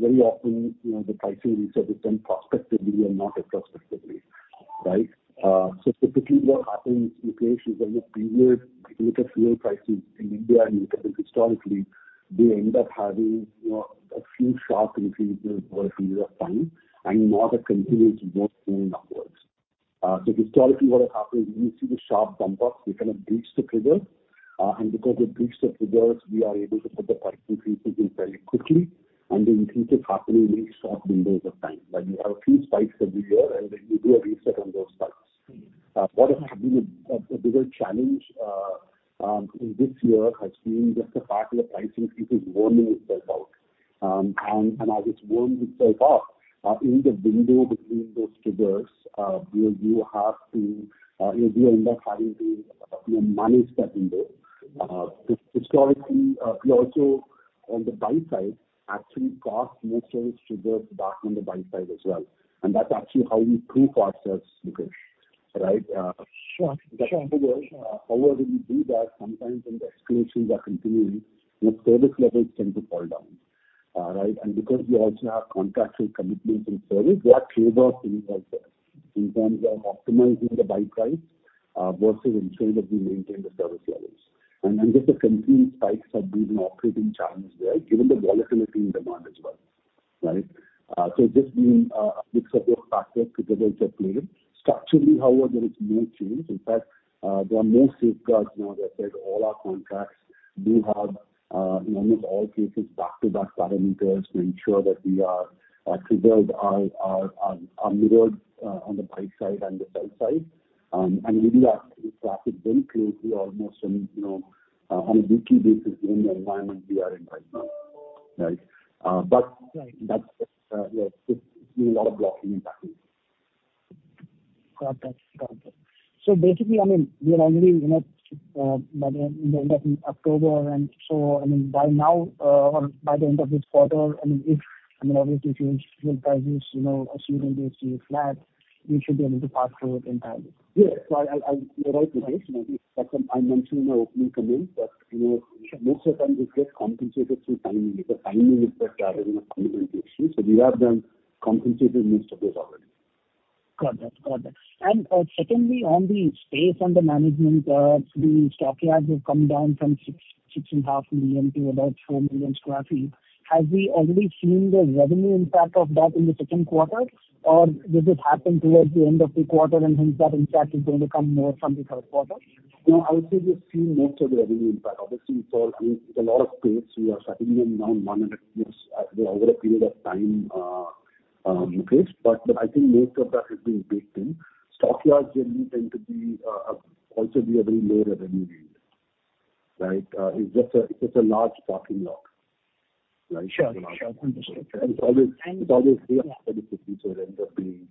very often, you know, the pricing resets are done prospectively and not retrospectively, right? Typically what happens, Mukesh, is if you look at fuel prices in India, and you look at them historically, they end up having, you know, a few sharp increases over a period of time and not a continuous move going upwards. Historically, what has happened is we see the sharp bump up, we kind of breach the trigger. Because we breach the triggers, we are able to put the pricing increases in fairly quickly. Then we think it's happening in these short windows of time. Like, you have a few spikes every year, and then you do a reset on those spikes. Mm-hmm. What has been a bigger challenge in this year has been just the fact that the pricing keeps on rolling itself out. As it's rolling itself out, in the window between those triggers, we have to, you know, we end up having to, you know, manage that window. Historically, we also on the buy side actually cause more sales triggers back on the buy side as well. That's actually how we improve ourselves, Mukesh. Right? Sure, sure. That being said, however we do that sometimes when the escalations are continuing, you know, service levels tend to fall down. Right? Because we also have contractual commitments in service, we trade off things like that in terms of optimizing the buy price versus ensuring that we maintain the service levels. Just the continued spikes have been an operating challenge there, given the volatility in demand as well, right? Just a mix of those factors coming into play. Structurally, however, there is no change. In fact, there are more safeguards now. That said, all our contracts do have, in almost all cases, back-to-back parameters to ensure that we mirror on the buy side and the sell side. We do have to track it very closely almost on, you know, on a weekly basis given the environment we are in right now. Right? Right. That's, yeah, it's been a lot of blocking and tackling. Got that. Basically, I mean, we are already, you know, by the end of October, and so, I mean, by now, or by the end of this quarter, I mean, obviously if fuel prices, you know, assuming they stay flat. We should be able to pass through it entirely. Yes. I you're right. You know, like I mentioned in my opening comments that, you know, most of the time we get compensated through timing, because timing is the driver in the compensation. We have been compensated most of this already. Got that. Secondly, on the space and the management, the stockyards have come down from 6.5 million sq ft to about 4 million sq ft. Have we already seen the revenue impact of that in the second quarter or will it happen towards the end of the quarter and hence that impact is going to come more from the third quarter? No, I would say we've seen most of the revenue impact. Obviously it's all, I mean, it's a lot of space. We are settling them down one at a time, over a period of time, U.K. I think most of that has been baked in. Stockyards generally tend to be also a very low revenue yield, right? It's just a large parking lot, right? Sure, sure. Understood. It's always free of. Yeah. It ends up being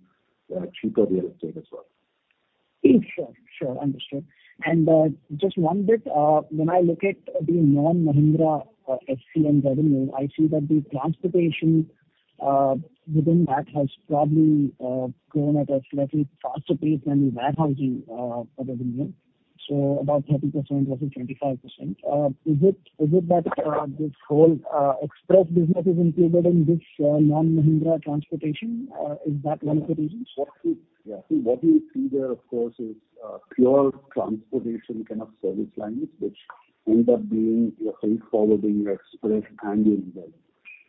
cheaper real estate as well. Sure, sure. Understood. Just one bit, when I look at the non-Mahindra SCM revenue, I see that the transportation within that has probably grown at a slightly faster pace than the warehousing revenue. So about 30% versus 25%. Is it that this whole express business is included in this non-Mahindra transportation? Is that one of the reasons? What you see there, of course, is pure transportation kind of service lines which end up being your freight forwarding, your express and your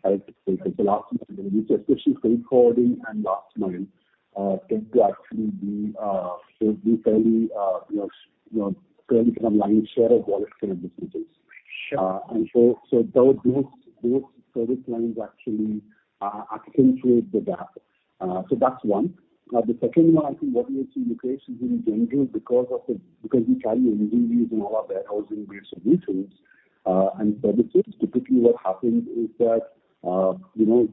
inbound, right? It's a last mile delivery. Especially freight forwarding and last mile tend to actually be fairly, you know, fairly kind of lion's share of all SCM businesses. Sure. Those service lines actually accentuate the gap. That's one. The second one, I think what you see, U.K., is really genuine because we carry inventories in all our warehousing grade of returns, and services. Typically what happens is that, you know,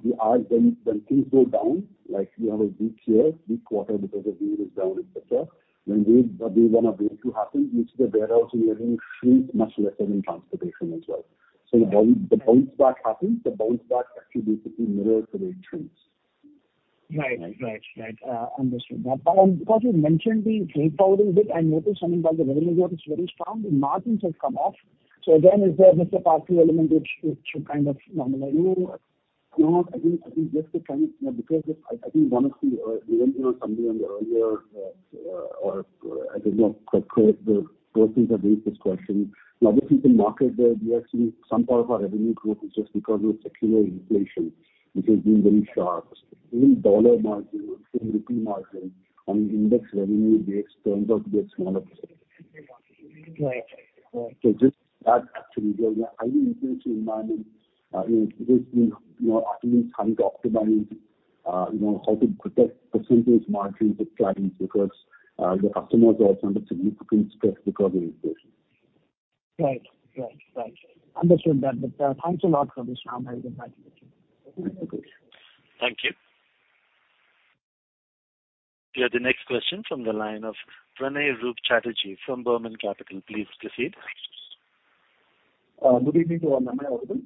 when things go down, like we have a dip here, dip quarter because the view is down, et cetera, when these run up way to happen, we see the warehouse revenue shrinks much lesser than transportation as well. The bounce back happens. The bounce back actually basically mirrors the returns. Right. Understood that. Because you mentioned the freight forwarding bit, I noticed that the revenue growth is very strong, the margins have come off. Again, is there just a pass through element which should kind of normalize? No. I think just the kind of, you know, because this, I think honestly, we went through something earlier, or I don't know, quite the first things I raised this question. Now, obviously the market there, we are seeing some part of our revenue growth is just because of secular inflation, which has been very sharp. Even dollar margin or even rupee margin on index revenue base turns out to be a smaller percentage. Right. Right. Just that actually. We are highly efficient in managing, you know, because we, you know, are really trying to optimize, you know, how to protect percentage margins with clients because the customers are also under significant stress because of inflation. Right. Understood that. Thanks a lot for this. I'm very glad to hear. Okay. Thank you. Thank you. We have the next question from the line of Pranay Roop Chatterjee from Burman Capital. Please proceed. Good evening to all. Am I audible?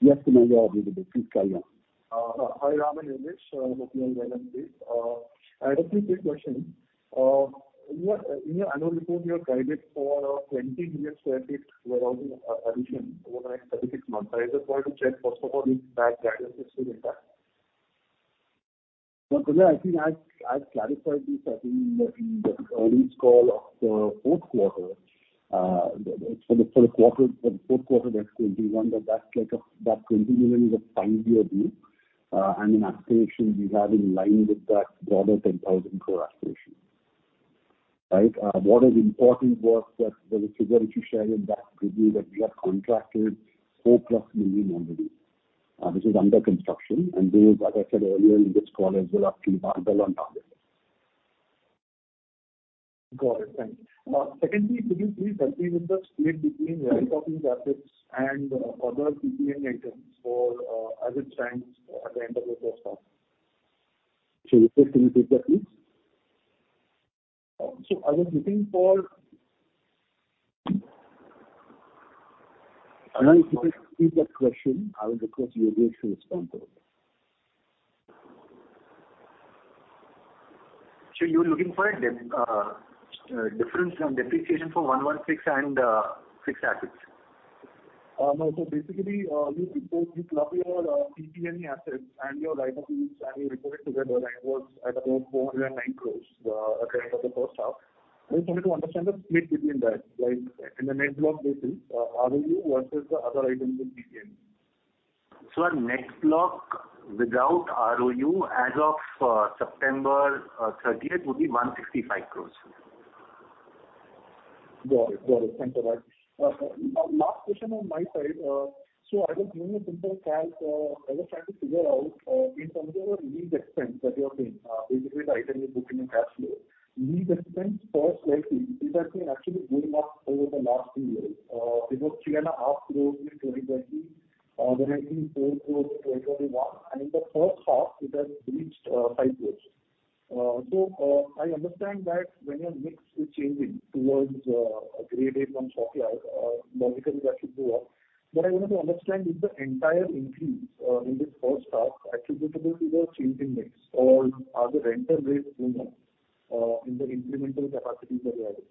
Yes, Pranay, you are audible. Please carry on. Hi, Ram and Yogesh. Hoping you are well and safe. I had a few quick questions. In your annual report, you have guided for 20 million sq ft warehousing addition over the next 36 months. I just want to check first of all if that guidance is still intact. Well, Pranay, I think I clarified this, I think in the earnings call for the fourth quarter of FY 2021, that 20 million is a time-bound view and an aspiration we have in line with that broader 10,000 crore aspiration, right? What is important was that the figure which you shared in that preview that we have contracted 4+ million already. This is under construction. Those, as I said earlier in this call, as well, are pretty well on target. Got it. Thank you. Secondly, could you please help me with the split between right-of-use assets and other PP&E items for, as it stands at the end of this first half? Sure. UK, can you take that please? I was looking for. Pranay, if you can repeat that question, I will request Yogesh to respond to it. Sure. You were looking for a difference on depreciation for Ind AS 116 and fixed assets. No. Basically, you took both your PP&E assets and your write-offs and you report it together, and it was at about 409 crores as at the end of the first half. I just wanted to understand the split between that, like in the net block basis, ROU versus the other items in PP&E. Our net block without ROU as of September 30th would be 165 crore. Got it. Thank you, Yogesh Patel. Last question on my side. So I was doing a simple calc. I was trying to figure out in terms of your lease expense that you are paying, basically the item you book in your cash flow. Lease expense, firstly, it has been actually going up over the last two years. It was INR 3.5 crore in 2020. There has been 4 crore in 2021, and in the first half it has reached 5 crore. I understand that when your mix is changing towards grade A from stockyard, logically that should go up. I wanted to understand if the entire increase in this first half attributable to the change in mix or are the rental rates going up in the incremental capacities that you added.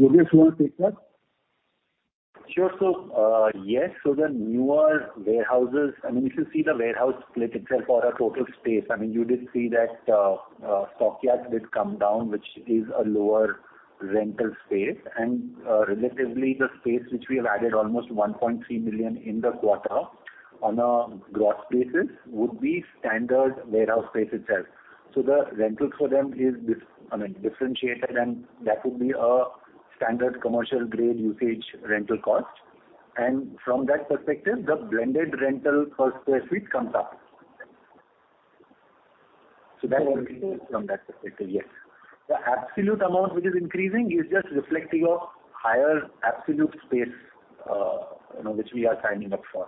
Yogesh, you want to take that? Sure. Yes. The newer warehouses, I mean, if you see the warehouse split itself or our total space, I mean, you did see that, Stockyards did come down, which is a lower rental space. Relatively the space which we have added almost 1.3 million in the quarter on a gross basis would be standard warehouse space itself. The rentals for them is differentiated, and that would be a standard commercial grade usage rental cost. From that perspective, the blended rental per sq ft comes up. That's from that perspective, yes. The absolute amount which is increasing is just reflective of higher absolute space, you know, which we are signing up for.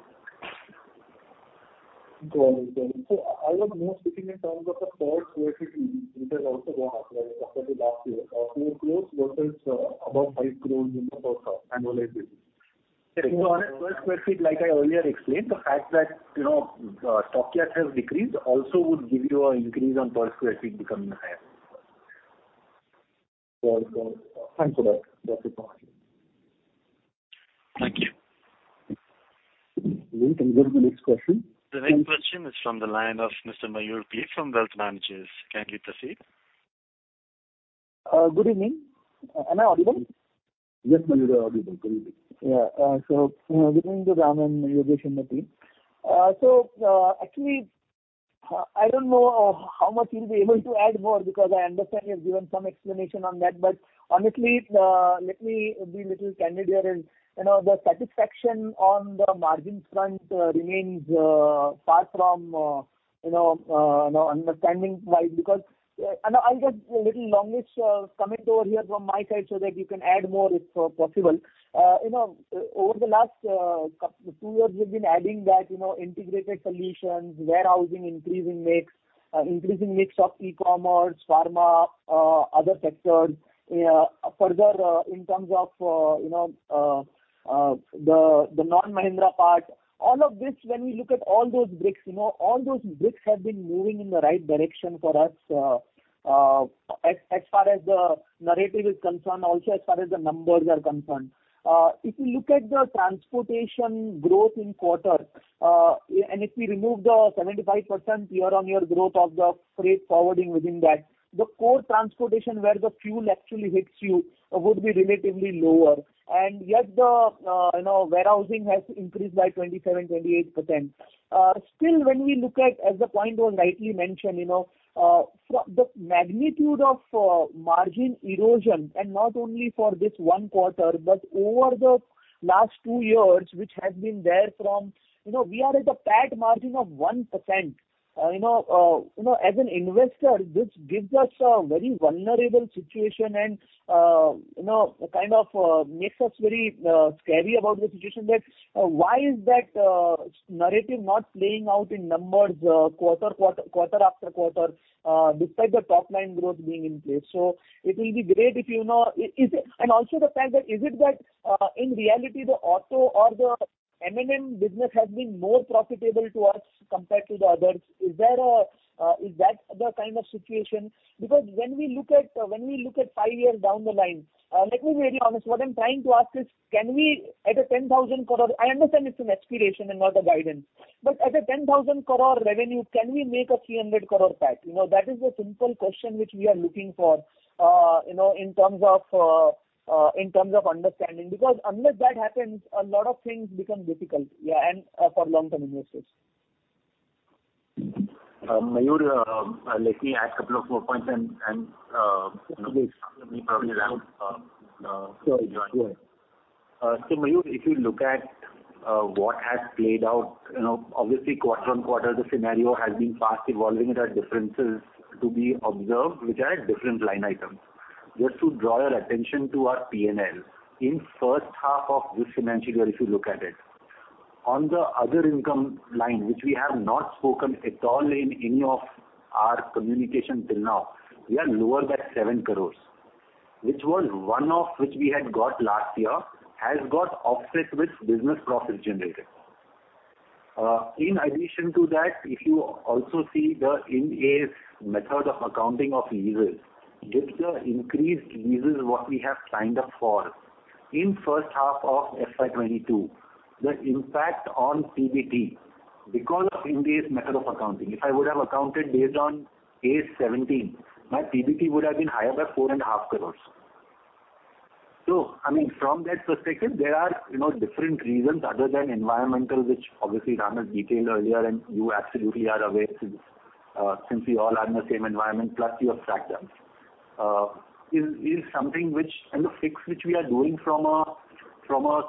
Got it. I was more speaking in terms of the per sq ft which has also gone up, right, compared to last year. 4 crore versus above 5 crore in the first half annualized basis. On a per square feet, like I earlier explained, the fact that, you know, Stockyards has decreased also would give you an increase on per square feet becoming higher. Got it. Thanks for that. That's it. Thank you. We can go to the next question. The next question is from the line of Mr. Mayur Parkeria from Wealth Managers. Kindly proceed. Good evening. Am I audible? Yes, Mayur, you're audible. Good evening. Yeah, you know, good evening to Ram and Yogesh and the team. Actually, I don't know how much you'll be able to add more because I understand you've given some explanation on that. Honestly, let me be a little candid here. You know, the satisfaction on the margin front remains far from you know understanding wise. Because and I'll get a little longish comment over here from my side so that you can add more if possible. You know, over the last two years, we've been adding that, you know, integrated solutions, warehousing, increasing mix, increasing mix of e-commerce, pharma, other sectors. Further, in terms of, you know, the non-Mahindra part, all of this, when we look at all those bricks, you know, all those bricks have been moving in the right direction for us, as far as the narrative is concerned, also as far as the numbers are concerned. If you look at the transportation growth in the quarter, and if we remove the 75% year-on-year growth of the freight forwarding within that, the core transportation where the fuel actually hits you would be relatively lower. Yet the, you know, warehousing has increased by 27%-28%. Still, when we look at, as the point you rightly mentioned, you know, from the magnitude of margin erosion, and not only for this one quarter but over the last two years, which has been there, you know, we are at a PAT margin of 1%. You know, as an investor, this gives us a very vulnerable situation and, you know, kind of makes us very scared about the situation that why is that narrative not playing out in numbers, quarter after quarter, despite the top line growth being in place. It will be great if, you know. And also the fact that is it that, in reality the auto or the M&M business has been more profitable to us compared to the others? Is that the kind of situation? Because when we look at five years down the line, let me be very honest, what I'm trying to ask is, can we at a 10,000 crore? I understand it's an aspiration and not a guidance, but at a 10,000 crore revenue, can we make a 300 crore PAT? You know, that is the simple question which we are looking for, you know, in terms of understanding. Because unless that happens, a lot of things become difficult, yeah, and for long-term investors. Mayur, let me add a couple of more points and, you know, probably Ram can join. Sure. Go ahead. Mayur, if you look at what has played out, you know, obviously quarter-on-quarter, the scenario has been fast evolving. There are differences to be observed which are at different line items. Just to draw your attention to our P&L. In first half of this financial year, if you look at it, on the other income line, which we have not spoken at all in any of our communication till now, we are lower by 7 crore, which was one of we had got last year, has got offset with business profits generated. In addition to that, if you also see the Ind AS method of accounting for leases, with the increased leases what we have signed up for in first half of FY 2022, the impact on PBT because of Ind AS method of accounting, if I would have accounted based on Ind AS 17, my PBT would have been higher by four and a half crores. I mean, from that perspective, there are, you know, different reasons other than environmental, which obviously Ram has detailed earlier, and you absolutely are aware since we all are in the same environment, plus you have tracked us. Is something which, and the fix which we are doing from a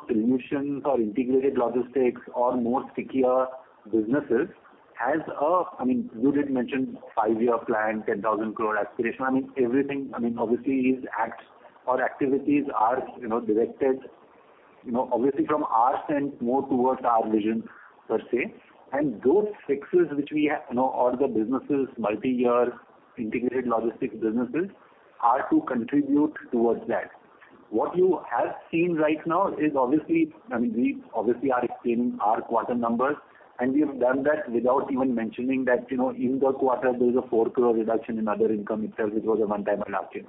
solutions or integrated logistics or more stickier businesses has a. I mean, you did mention five-year plan, 10,000 crore aspiration. I mean, everything, obviously these acts or activities are, you know, directed, you know, obviously from our end more towards our vision per se, and those fixes which we have, you know, or the businesses, multi-year integrated logistics businesses are to contribute towards that. What you have seen right now is obviously, I mean, we obviously are explaining our quarter numbers, and we have done that without even mentioning that, you know, in the quarter there is an 4 crore reduction in other income itself, which was a one-time anomaly.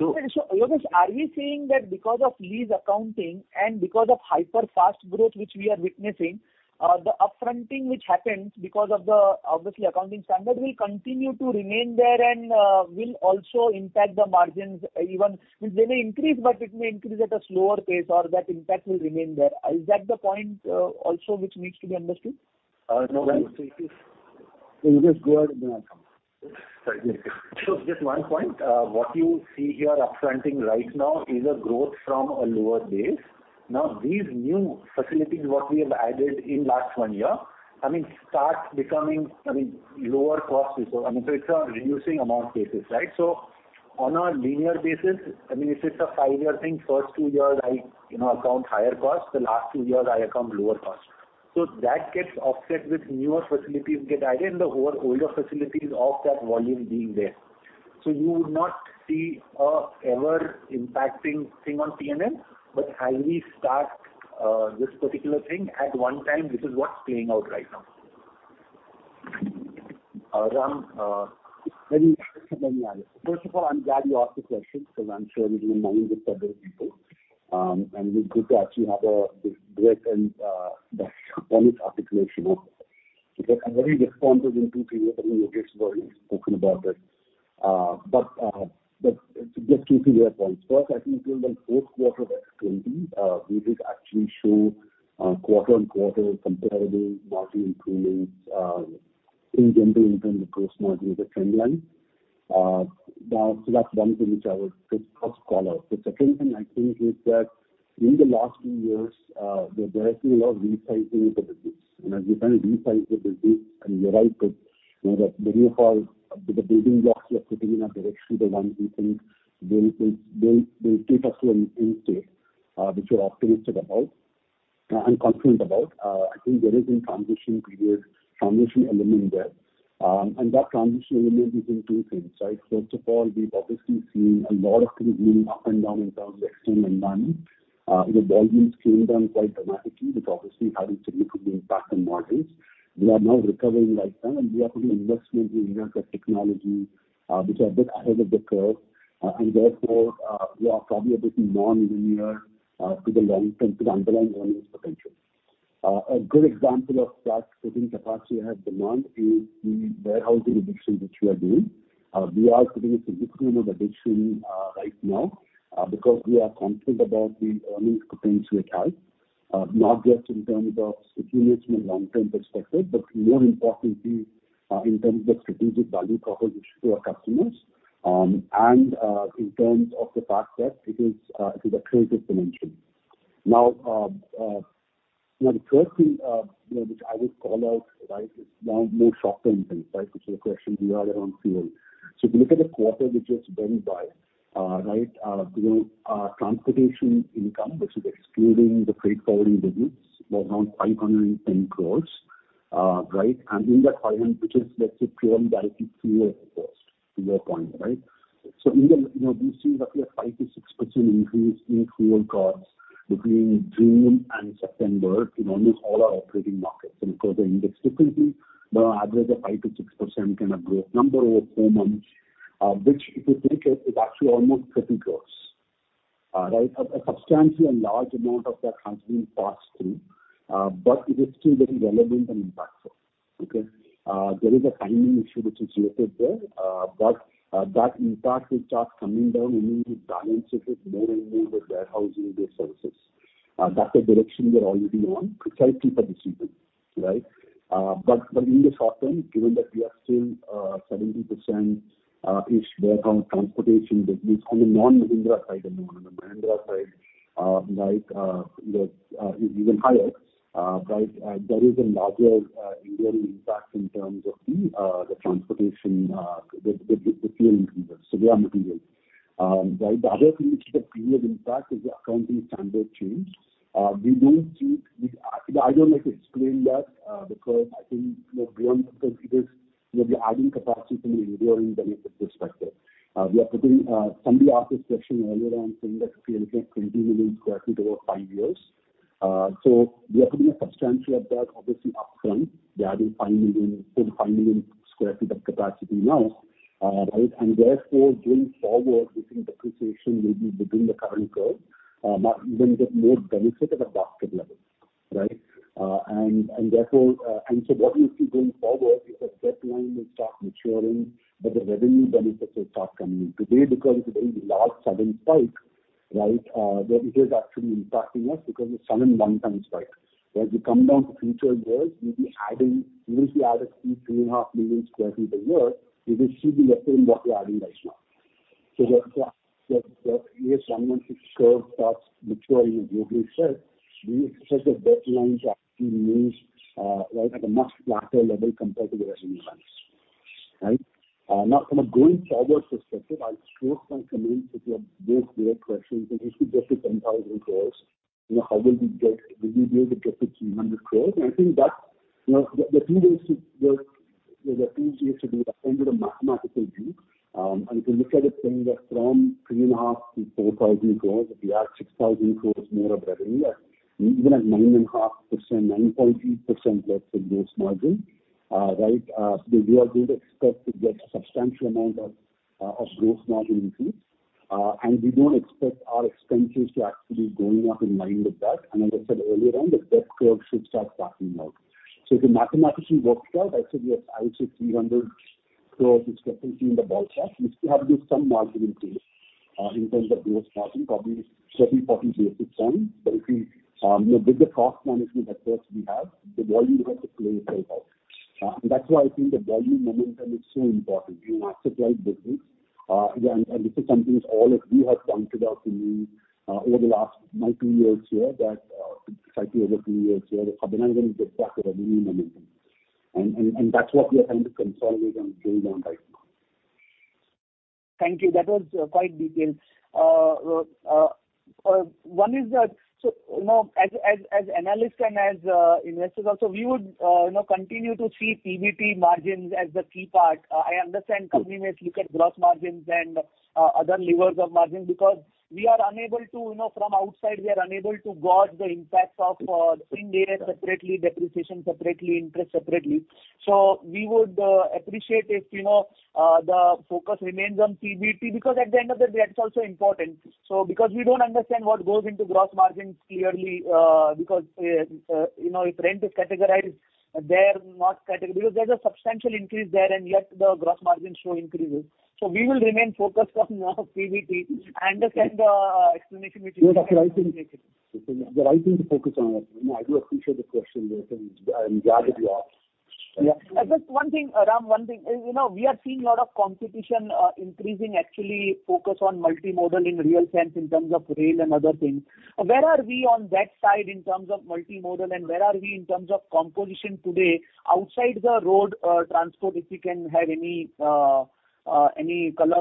Yogesh, are we saying that because of lease accounting and because of hyper fast growth which we are witnessing, the up-fronting which happens because of the obvious accounting standard will continue to remain there and will also impact the margins which they may increase, but it may increase at a slower pace or that impact will remain there. Is that the point also which needs to be understood? No. It is. You just go ahead. Sorry. Just one point. What you see here up-fronting right now is a growth from a lower base. Now, these new facilities, what we have added in last one year, I mean, start becoming, I mean, lower cost resource. I mean, so it's a reducing amount basis, right? On a linear basis, I mean, if it's a five-year thing, first two years I, you know, account higher cost, the last two years I account lower cost. That gets offset with newer facilities get added and the whole older facilities of that volume being there. You would not see a ever impacting thing on P&L, but as we start, this particular thing at one time, this is what's playing out right now. Ram. Many areas. First of all, I'm glad you asked the question 'cause I'm sure it is in mind with several people. It's good to actually have this direct and honest articulation of. Because I'm very responsive in two to three years, I mean, Yogesh has already spoken about it. But just 2 points-3 points. First, I think till the fourth quarter of 2020, we did actually show quarter-on-quarter comparable margin improvements in general, in terms of gross margin as a trend line. That's one thing which I would just call out. The second thing I think is that in the last two years, we have seen a lot of resizing of the business. As we kind of resize the business, and you're right that, you know, that many of our, the building blocks we are putting in are directly the ones we think will take us to an end state, which we're optimistic about, and confident about. I think there is a transition period, transition element there. And that transition element is in two things, right? First of all, we've obviously seen a lot of things moving up and down in terms of external demand. You know, volumes came down quite dramatically, which obviously had a significant impact on margins. We are now recovering like that, and we are putting investments in areas like technology, which are a bit ahead of the curve, and therefore, we are probably a bit non-linear to the long-term, to the underlying earnings potential. A good example of that putting capacity ahead of demand is the warehousing addition which we are doing. We are putting a significant amount of addition right now because we are confident about the earnings potential it has, not just in terms of sustainability and long-term perspective, but more importantly, in terms of strategic value proposition to our customers, and in terms of the fact that it is a creative dimension. Now, the first thing you know which I would call out, right, is one more short-term thing, right, which is a question we had around fuel. If you look at the quarter which just went by, right, you know, transportation income, which is excluding the freight forwarding business, was around 510 crores, right? In that 500, which is, let's say, purely directly fuel cost to your point, right? Even, you know, we've seen roughly a 5%-6% increase in fuel costs between June and September in almost all our operating markets. Further indexed frequently, there are averages of 5%-6% kind of growth number over four months, which if you take it, is actually almost 30 crore. Right, a substantial and large amount of that has been passed through, but it is still very relevant and impactful. Okay. There is a timing issue which is related there, but that impact will start coming down only as we benefit more and more with warehousing-based services. That's a direction we are already on precisely for this reason, right? In the short term, given that we are still 70% ish background transportation business on the non-Mahindra side, I mean, on the Mahindra side, is even higher. There is a larger, enduring impact in terms of the transportation, the fuel increases. They are material. The other thing which is a clear impact is the accounting standard change. We don't see. I don't like to explain that, because I think, you know, beyond because it is, you know, we're adding capacity from an enduring benefit perspective. We are putting, somebody asked this question earlier on saying that if we look at 20 million sq ft over five years, so we are putting a substantial of that obviously upfront. We're adding 5 million sq ft, close to 5 million sq ft of capacity now. Therefore, going forward, we think depreciation may be between the current curve when we get more benefit at a basket level. What we see going forward is that debt line will start maturing, but the revenue benefits will start coming in. Today, because it's a very large sudden spike that it is actually impacting us because it's sudden one-time spike. As you come down to future years, we usually add 2 million sq ft-3.5 million sq ft a year. You will see the effect what we're adding right now. The Ind AS 116 curve starts maturing, as Yogesh said, we expect the debt lines actually means right at a much flatter level compared to the revenue lines. Right. Now from a going forward perspective, I'm sure some participants will have those fair questions and if we get to 10,000 crores, you know, how will we get. Will we be able to get to 300 crores? I think that's, you know, the few ways to do that come with a mathematical view. If you look at it saying that from 3,500 crore-4,000 crore, if we add 6,000 crore more of revenue, even at 9.5%, 9.8% gross margin, right, we are going to expect to get a substantial amount of gross margin increase. We don't expect our expenses to actually going up in line with that. As I said earlier on, the debt curve should start tapping out. If you mathematically work it out, I said, yes, I would say INR 300 crore is definitely in the ballpark. We still have to do some margin increase in terms of gross margin, probably 30 basis points-40 basis points. If we, you know, with the cost management efforts we have, the volume has to play itself out. That's why I think the volume momentum is so important in asset light business. Again, this is something which all of us have pointed out to you over the last two years, that slightly over two years, that Abhinav is gonna get back to revenue momentum. That's what we are trying to consolidate and build on right now. Thank you. That was quite detailed. One is that, so you know, as analysts and as investors also, we would you know, continue to see PBT margins as the key part. I understand company may look at gross margins and other levers of margin because we are unable to, you know, from outside, we are unable to gauge the impact of paying debt separately, depreciation separately, interest separately. We would appreciate if you know, the focus remains on PBT because at the end of the day it's also important. Because we don't understand what goes into gross margins clearly, because you know, if rent is categorized, because there's a substantial increase there and yet the gross margins show increases. We will remain focused on PBT and understand the explanation which. No, that's the right thing. It's the right thing to focus on. You know, I do appreciate the question and I'm glad that you asked. Yeah. Just one thing, Ram, one thing. You know, we are seeing a lot of competition, increasing actually focus on multimodal in real sense in terms of rail and other things. Where are we on that side in terms of multimodal, and where are we in terms of composition today outside the road, transport, if you can have any color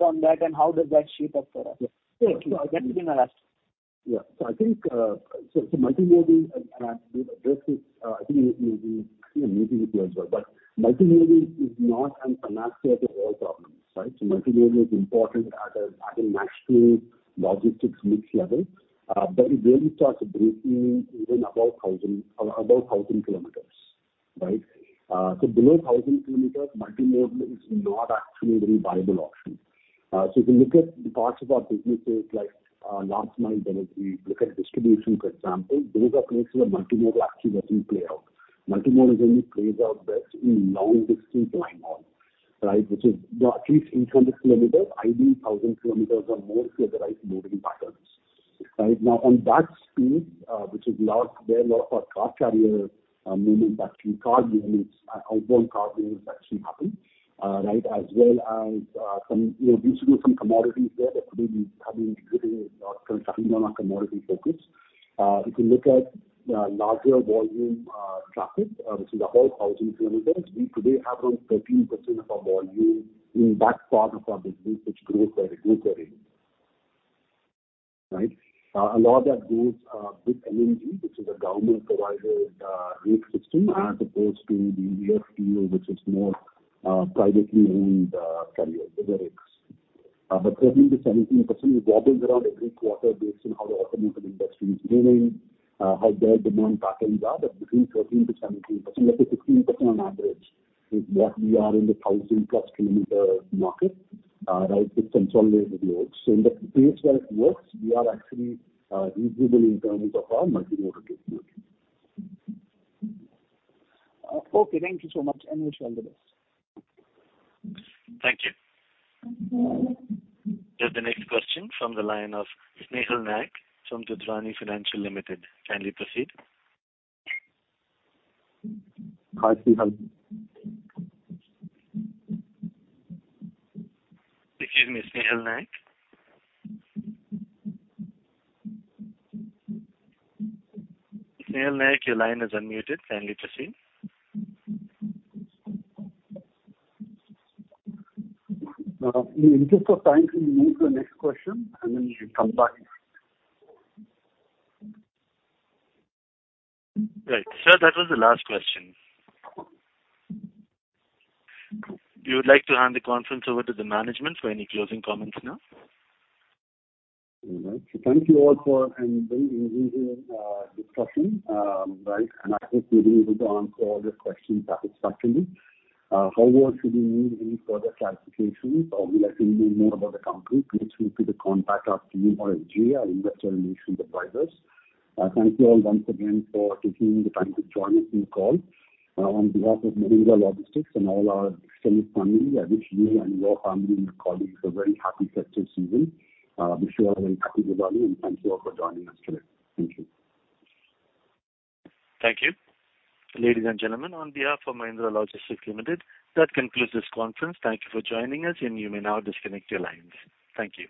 on that, and how does that shape up for us? Yeah. Thank you. That has been my last. I think so multimodal, and I have to address this. I think it may be in a meeting with you as well. Multimodal is not a panacea to all problems, right? Multimodal is important at a national logistics mix level, but it really starts breaking even above 1000 km, right? Below 1000 km, multimodal is not actually a very viable option. If you look at the parts of our businesses like last mile delivery, if you look at distribution, for example, those are places where multimodal actually doesn't play out. Multimodal only plays out best in long distance line haul, right? Which is at least 800 km, ideally 1000 km or more for the right moving patterns. Right? Now, on that space, which is large, where a lot of our truck carrier, meaning that we call units, outbound truck units actually happen, right? As well as, some, you know, we do some commodities there that could be, have been included in our current category known as commodity focus. If you look at larger volume traffic, which is above 1,000 kilometers, we today have around 13% of our volume in that part of our business which grows at a good rate. Right? A lot of that goes with CONCOR, which is a government provided rate system as opposed to the AFTO, which is more privately owned carrier, the rakes. But 13%-17%, it wobbles around every quarter based on how the automobile industry is doing, how their demand patterns are. Between 13%-17%, let's say 15% on average is what we are in the 1,000+ km market, right, with centralized loads. In the place where it works, we are actually reasonable in terms of our multimodal capability. Okay, thank you so much, and wish you all the best. Thank you. Just the next question from the line of Snehal Naik from Dudhani Financial Limited. Kindly proceed. Hearty hello. Excuse me, Snehal Naik. Snehal Naik, your line is unmuted. Kindly proceed. In interest of time, can we move to the next question, and then you can come back? Right. Sir, that was the last question. We would like to hand the conference over to the management for any closing comments now. All right. Thank you all for a very engaging discussion, right? I hope we were able to answer all your questions satisfactorily. However, should you need any further clarifications or would like to know more about the company, please feel free to contact our team or SGA, our investor relations advisors. Thank you all once again for taking the time to join us on the call. On behalf of Mahindra Logistics and all our extended family, I wish you and your family and your colleagues a very happy festive season. I wish you a very happy Diwali, and thank you all for joining us today. Thank you. Thank you. Ladies and gentlemen, on behalf of Mahindra Logistics Limited, that concludes this conference. Thank you for joining us, and you may now disconnect your lines. Thank you.